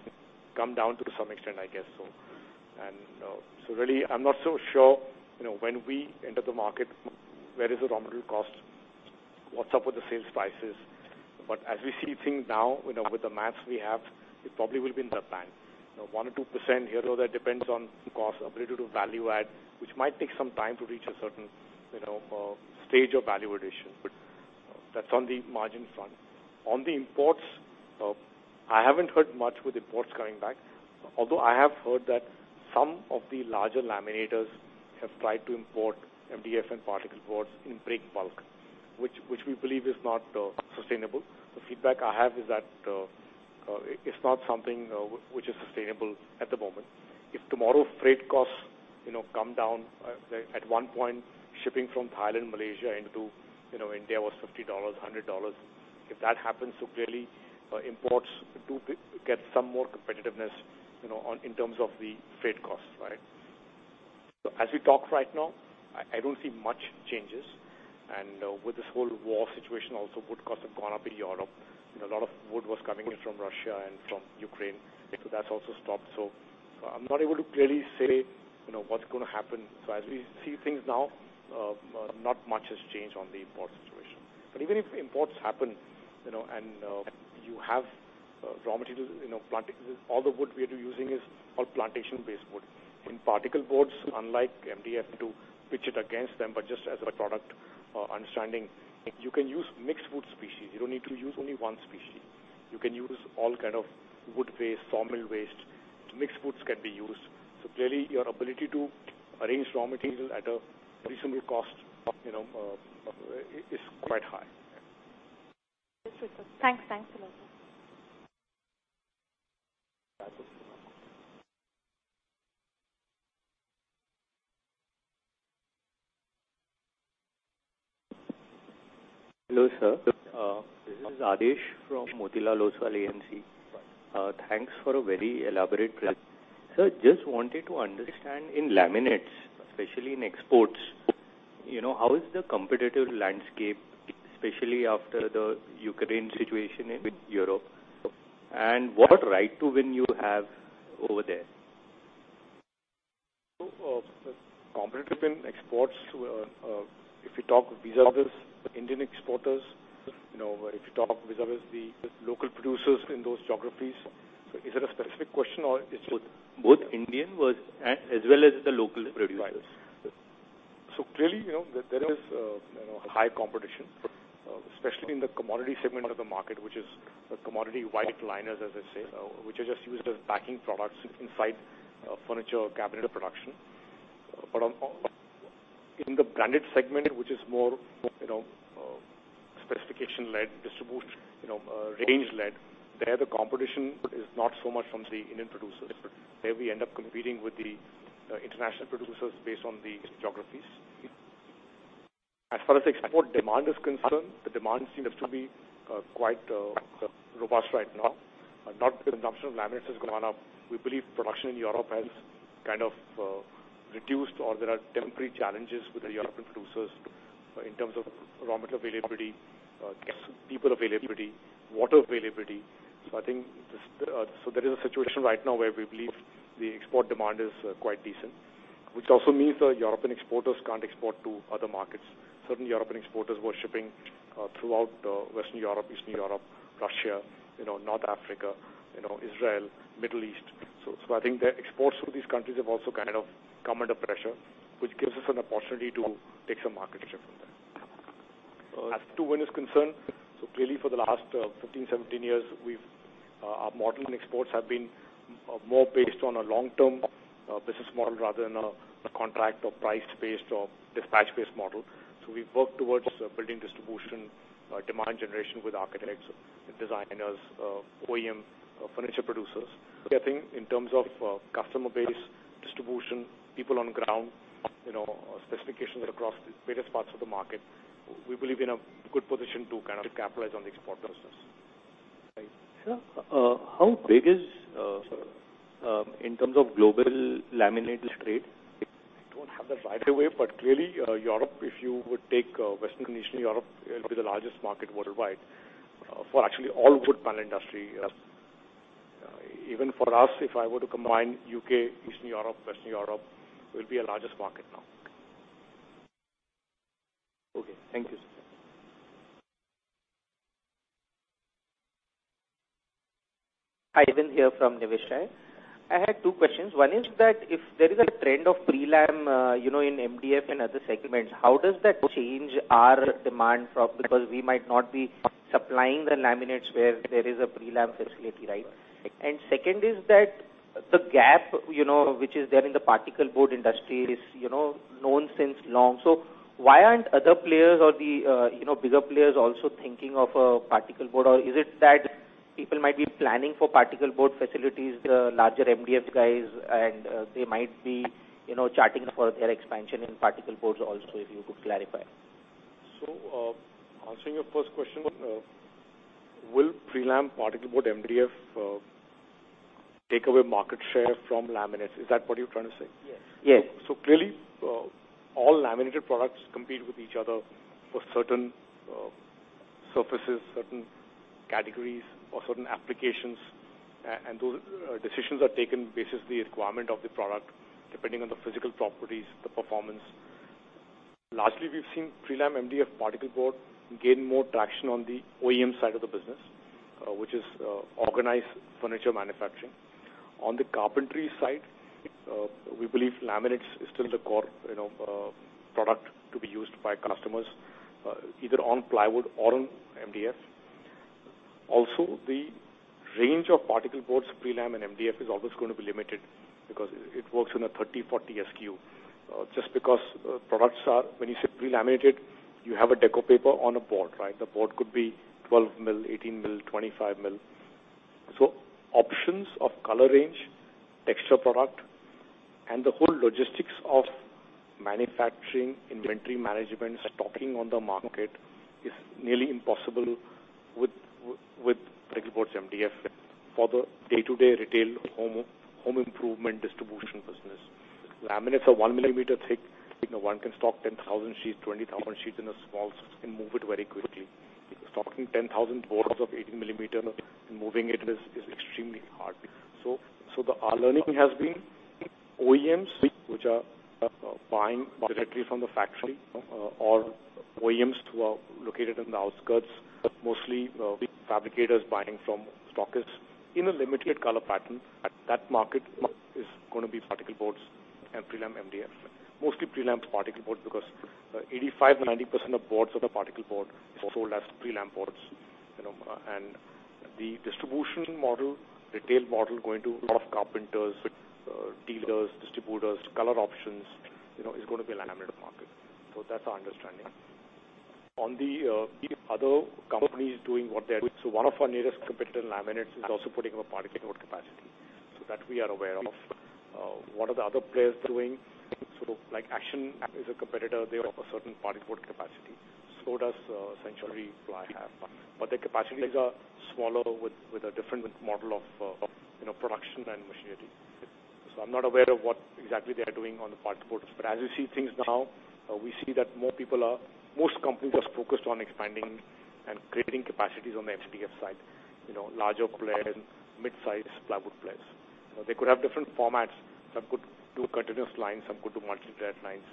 come down to some extent, I guess so. Really, I am not so sure, you know, when we enter the market, where is the raw material cost. What is up with the sales prices. As we see things now, you know, with the math we have, it probably will be in that band. You know, 1%-2% here, though, that depends on cost of relative value add, which might take some time to reach a certain, you know, stage of value addition. That's on the margin front. On the imports, I haven't heard much with imports coming back. Although I have heard that some of the larger laminators have tried to import MDF and particle boards in break bulk, which we believe is not sustainable. The feedback I have is that it's not something which is sustainable at the moment. If tomorrow freight costs, you know, come down, say, at one point, shipping from Thailand, Malaysia into, you know, India was $50, $100. If that happens, clearly, imports do get some more competitiveness, you know, on, in terms of the freight costs, right? As we talk right now, I don't see much changes. With this whole war situation also, wood costs have gone up in Europe. You know, a lot of wood was coming in from Russia and from Ukraine. That's also stopped. I'm not able to clearly say, you know, what's gonna happen. As we see things now, not much has changed on the import situation. Even if imports happen, you know, and you have raw materials, you know. All the wood we are using is all plantation-based wood. In particle boards, unlike MDF, to pitch it against them, but just as a product, understanding, you can use mixed wood species. You don't need to use only one species. You can use all kind of wood waste, sawmill waste. Mixed woods can be used. Clearly, your ability to arrange raw material at a reasonable cost, you know, is quite high.
Thanks. Thanks a lot, sir.
That's okay.
Hello, sir. This is Adesh from Motilal Oswal AMC. Thanks for a very elaborate presentation. Sir, just wanted to understand in laminates, especially in exports, you know, how is the competitive landscape, especially after the Ukraine situation in, with Europe? What right to win you have over there?
Competitive in exports, if you talk vis-à-vis Indian exporters, you know, if you talk vis-à-vis the local producers in those geographies, so is it a specific question or it's both?
Both Indian as well as the local producers.
Right. Clearly, you know, there is, you know, high competition, especially in the commodity segment of the market, which is the commodity white liners, as I say, which are just used as backing products inside, furniture or cabinet production. In the branded segment, which is more, you know, specification-led, distribution, you know, range-led, there the competition is not so much from the Indian producers. There we end up competing with the, international producers based on the geographies. As far as export demand is concerned, the demand seems to be, quite, robust right now. Now the consumption of laminates has gone up. We believe production in Europe has kind of, reduced or there are temporary challenges with the European producers in terms of raw material availability, gas, people availability, water availability. There is a situation right now where we believe the export demand is quite decent, which also means the European exporters can't export to other markets. Certainly, European exporters were shipping throughout Western Europe, Eastern Europe, Russia, you know, North Africa, you know, Israel, Middle East. I think the exports to these countries have also kind of come under pressure, which gives us an opportunity to take some market share from there. As to winning is concerned, clearly for the last 15-17 years, we've our model in exports have been more based on a long-term business model rather than a contract or price-based or dispatch-based model. We've worked towards building distribution, demand generation with architects, designers, OEM, furniture producers. I think in terms of, customer base, distribution, people on ground, you know, specifications across various parts of the market, we believe in a good position to kind of capitalize on the export business.
Right. Sir, how big is, sir, in terms of global laminates trade?
I don't have that right away, but clearly, Europe, if you would take Western and Eastern Europe, it'll be the largest market worldwide for actually all wood panel industry. Even for us, if I were to combine U.K., Eastern Europe, Western Europe, will be our largest market now.
Okay. Thank you, sir.
Ivan here from Niveshaay. I had two questions. One is that if there is a trend of pre-lam, you know, in MDF and other segments, how does that change our demand for it? Because we might not be supplying the laminates where there is a pre-lam facility, right? Second is that the gap, you know, which is there in the particle board industry is, you know, known since long. Why aren't other players or the, you know, bigger players also thinking of a particle board? Or is it that people might be planning for particleboard facilities, the larger MDF guys, and they might be, you know, charting for their expansion in particleboards also, if you could clarify.
Answering your first question, will pre-lam particleboard MDF take away market share from laminates? Is that what you're trying to say?
Yes.
Clearly, all laminated products compete with each other for certain surfaces, certain categories or certain applications. Those decisions are taken basis the requirement of the product, depending on the physical properties, the performance. Lastly, we've seen prelam MDF particleboard gain more traction on the OEM side of the business, which is organized furniture manufacturing. On the carpentry side, we believe laminates is still the core, you know, product to be used by customers, either on plywood or on MDF. The range of particleboards, prelam and MDF is always gonna be limited because it works in a 30-40 SKU. Just because, when you say pre-laminated, you have a deco paper on a board, right? The board could be 12 mm, 18 mm, 25 mm. Options of color range, texture product, and the whole logistics of manufacturing, inventory management, stocking on the market is nearly impossible with particleboards MDF for the day-to-day retail home improvement distribution business. Laminates are 1 millimeter thick. You know, one can stock 10,000 sheets, 20,000 sheets in a small space and move it very quickly. Stocking 10,000 boards of 18 millimeter and moving it is extremely hard. Our learning has been OEMs which are buying directly from the factory or OEMs who are located in the outskirts, mostly fabricators buying from stockists in a limited color pattern. That market is gonna be particleboards and prelam MDF. Mostly prelams particleboard because 85%-90% of boards of the particleboard is sold as prelam boards. You know, the distribution model, retail model going to a lot of carpenters, dealers, distributors, color options, you know, is gonna be a laminate market. That's our understanding. On the other companies doing what they're doing, one of our nearest competitor in laminates is also putting up a particleboard capacity, so that we are aware of. What are the other players doing? Like Action is a competitor. They have a certain particleboard capacity, so does Century Ply have. Their capacities are smaller with a different model of, you know, production and machinery. I'm not aware of what exactly they are doing on the particleboards. As you see things now, we see that most companies are focused on expanding and creating capacities on the MDF side. You know, larger players, midsize plywood players. You know, they could have different formats. Some could do continuous lines, some could do multi-thread lines,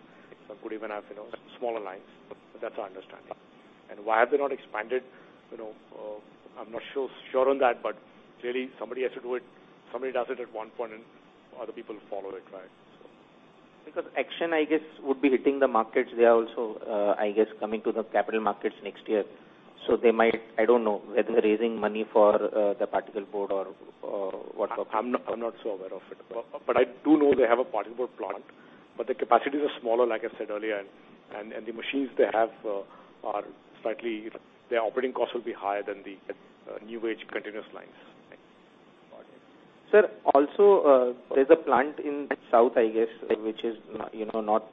some could even have, you know, smaller lines. But that's our understanding. Why have they not expanded? You know, I'm not sure on that, but really somebody has to do it. Somebody does it at one point and other people follow it, right?
Because Action TESA, I guess, would be hitting the markets. They are also, I guess, coming to the capital markets next year. They might, I don't know, whether they're raising money for the particleboard or what.
I'm not so aware of it. I do know they have a particleboard plant, but the capacities are smaller, like I said earlier, and the machines they have are. Their operating costs will be higher than the new age continuous lines.
Got it. Sir, also, there's a plant in South, I guess, which is, you know, not,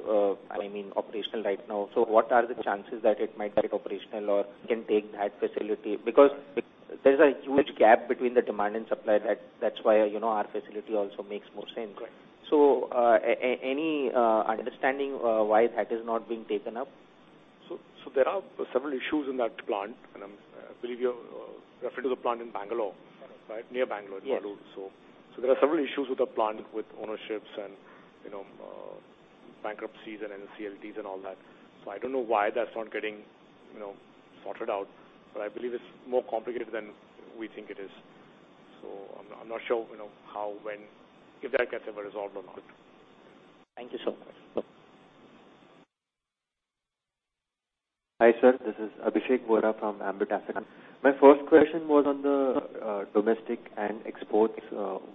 I mean, operational right now. What are the chances that it might get operational or can take that facility? Because there's a huge gap between the demand and supply. That's why, you know, our facility also makes more sense.
Correct.
Any understanding why that is not being taken up?
There are several issues in that plant, and I believe you're referring to the plant in Bangalore, right? Near Bangalore, in Bangalore.
Yes.
There are several issues with the plant, with ownerships and, you know, bankruptcies and NCLTs and all that. I don't know why that's not getting, you know, sorted out, but I believe it's more complicated than we think it is. I'm not sure, you know, how, when, if that gets ever resolved or not.
Thank you so much.
Welcome.
Hi, sir. This is Abhishek Vora from Ambit Asset. My first question was on the domestic and export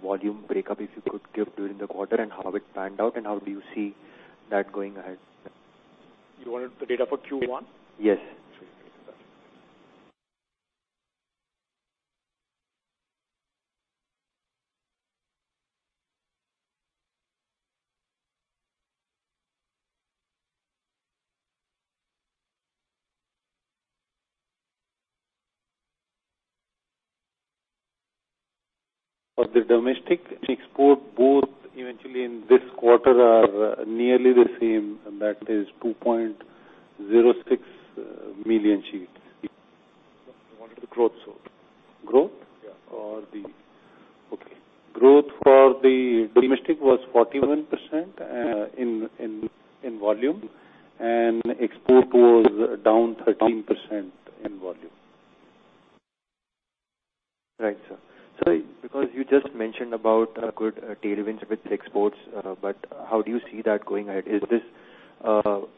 volume breakup, if you could give during the quarter and how it panned out and how do you see that going ahead?
You wanted the data for Q1?
Yes.
Sure.
For the domestic and export, both eventually in this quarter are nearly the same, and that is 2.06 million sheets.
You wanted the growth, sir.
Growth?
Yeah.
Growth for the domestic was 41% in volume, and export was down 13% in volume.
Right, sir. Sorry, because you just mentioned about good tailwinds with exports, but how do you see that going ahead? Is this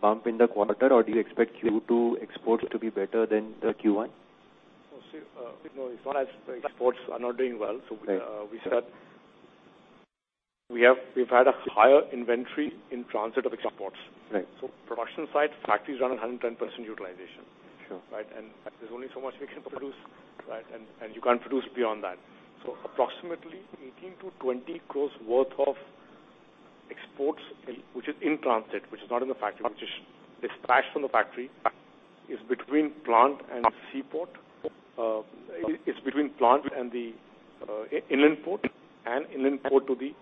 bump in the quarter or do you expect Q2 exports to be better than the Q1?
Oh, see, no, as far as exports are not doing well.
Right.
We've had a higher inventory in transit of exports.
Right.
Production side, factories run 110% utilization.
Sure.
Right? There's only so much we can produce, right? You can't produce beyond that. Approximately 18-20 crores worth of exports, which is in transit, which is not in the factory, which is dispatched from the factory, is between plant and seaport. It's between plant and the inland port and inland port to the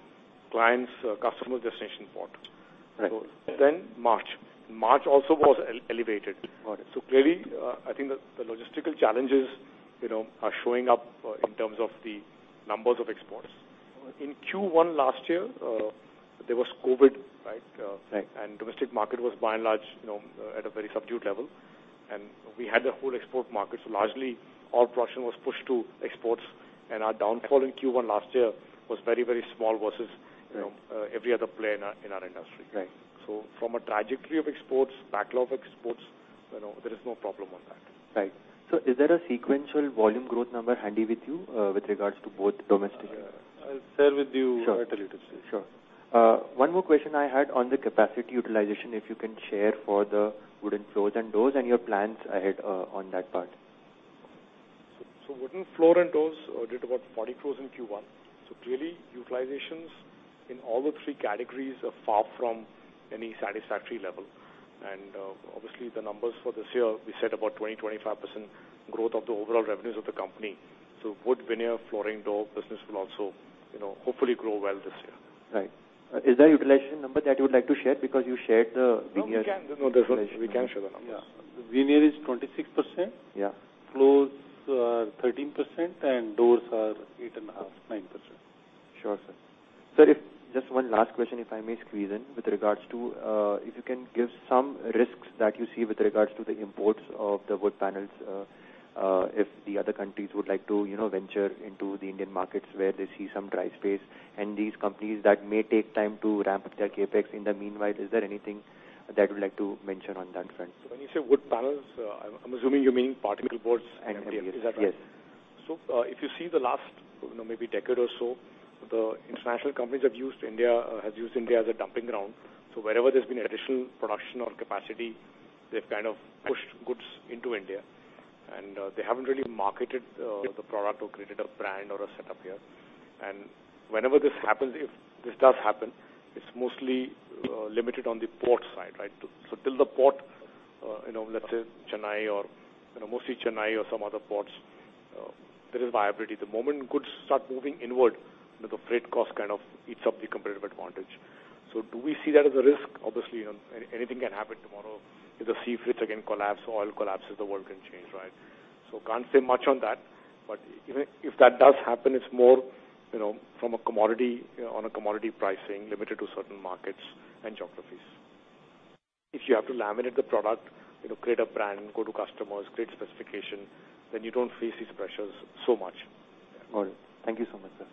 client's customer destination port.
Right.
March also was elevated.
Got it.
Clearly, I think the logistical challenges, you know, are showing up in terms of the numbers of exports. In Q1 last year, there was COVID, right?
Right.
Domestic market was by and large, you know, at a very subdued level. We had the whole export market, so largely all production was pushed to exports. Our downfall in Q1 last year was very, very small versus, you know, every other player in our industry.
Right.
From a trajectory of exports, backlog of exports, you know, there is no problem on that.
Right. Is there a sequential volume growth number handy with you, with regards to both domestic-
I'll share with you.
Sure.
At a later stage.
Sure. One more question I had on the capacity utilization, if you can share for the wooden floors and doors and your plans ahead, on that part?
Wooden floor and doors did about 40 crores in Q1. Clearly, utilizations in all the three categories are far from any satisfactory level. Obviously the numbers for this year, we said about 20%-25% growth of the overall revenues of the company. Wood veneer, flooring, door business will also, you know, hopefully grow well this year.
Right. Is there a utilization number that you would like to share? Because you shared the veneer.
No, we can. No, there's no
Utilization.
We can share the numbers.
Yeah.
The veneer is 26%.
Yeah.
Floors are 13% and doors are 8.5%-9%.
Sure, sir. Sir, if just one last question, if I may squeeze in with regards to if you can give some risks that you see with regards to the imports of the wood panels, if the other countries would like to, you know, venture into the Indian markets where they see some dry space, and these companies that may take time to ramp up their CapEx. In the meanwhile, is there anything that you'd like to mention on that front?
When you say wood panels, I'm assuming you mean particle boards and MDFs.
Yes.
If you see the last, you know, maybe decade or so, the international companies have used India as a dumping ground. Wherever there's been additional production or capacity, they've kind of pushed goods into India. They haven't really marketed the product or created a brand or a setup here. Whenever this happens, if this does happen, it's mostly limited on the port side, right? Till the port, you know, let's say Chennai or, you know, mostly Chennai or some other ports, there is viability. The moment goods start moving inward, the freight cost kind of eats up the competitive advantage. Do we see that as a risk? Obviously, you know, anything can happen tomorrow. If the sea freights again collapse or oil collapses, the world can change, right? Can't say much on that. Even if that does happen, it's more, you know, from a commodity, on a commodity pricing limited to certain markets and geographies. If you have to laminate the product, you know, create a brand, go to customers, create specification, then you don't face these pressures so much.
Got it. Thank you so much, sir.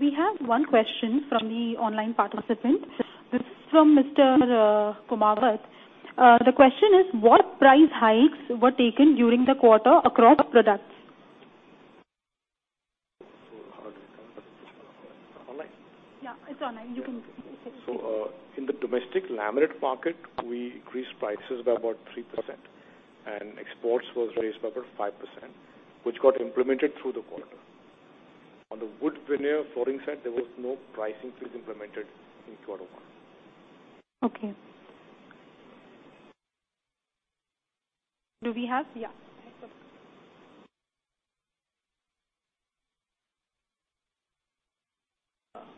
We have one question from the online participant. This is from Mr. Kumawat. The question is, what price hikes were taken during the quarter across products?
How did it come? Online?
Yeah, it's online.
In the domestic laminate market, we increased prices by about 3%, and exports were raised by about 5%, which got implemented through the quarter. On the wood veneer flooring side, there was no price increases implemented in quarter one.
Okay. Yeah.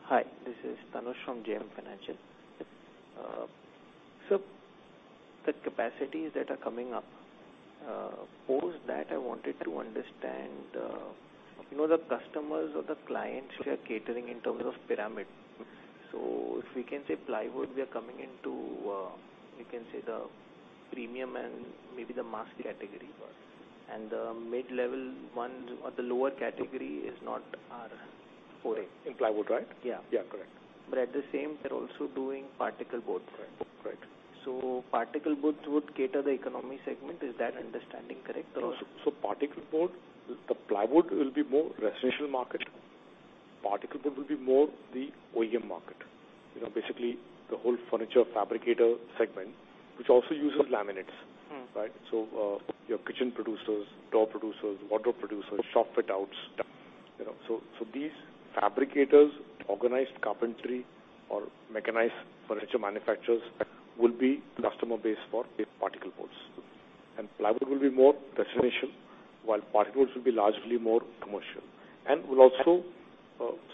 Hi, this is Tanush from JM Financial. The capacities that are coming up, post that, I wanted to understand, you know, the customers or the clients we are catering in terms of pyramid. If we can say plywood, we are coming into, you can say the premium and maybe the mass category.
Got it.
The mid-level ones or the lower category is not our foray.
In plywood, right?
Yeah.
Yeah, correct.
At the same, we're also doing particle boards.
Right. Right.
Particle boards would cater to the economy segment. Is that understanding correct or no?
Particle board, the plywood will be more residential market. Particle board will be more the OEM market. You know, basically the whole furniture fabricator segment, which also uses laminates.
Mm.
Your kitchen producers, door producers, wardrobe producers, shop fit outs, you know. These fabricators, organized carpentry or mechanized furniture manufacturers will be customer base for the particle boards. Plywood will be more residential, while particle boards will be largely more commercial.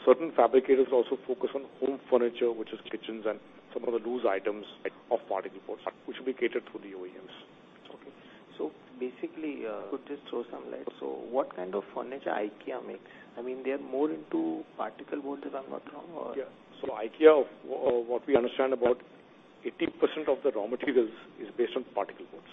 Certain fabricators will also focus on home furniture, which is kitchens and some of the loose items of particle boards, which will be catered through the OEMs.
Okay. Basically, could you throw some light. What kind of furniture IKEA makes? I mean, they are more into particle boards, if I'm not wrong, or.
IKEA, what we understand about 80% of the raw materials is based on particle boards.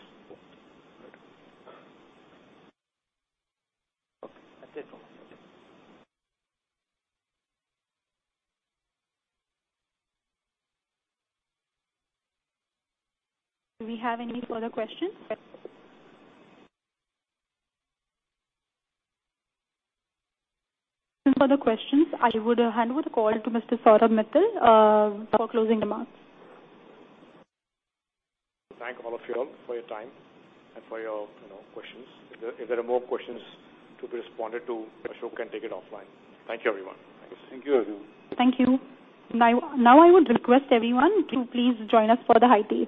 Got it. Okay. That's it from my side.
Do we have any further questions? No further questions. I would hand over the call to Mr. Saurabh Mittal for closing remarks.
Thank all of you all for your time and for your, you know, questions. If there are more questions to be responded to, Ashok can take it offline. Thank you, everyone.
Thank you, everyone.
Thank you. Now, I would request everyone to please join us for the high tea.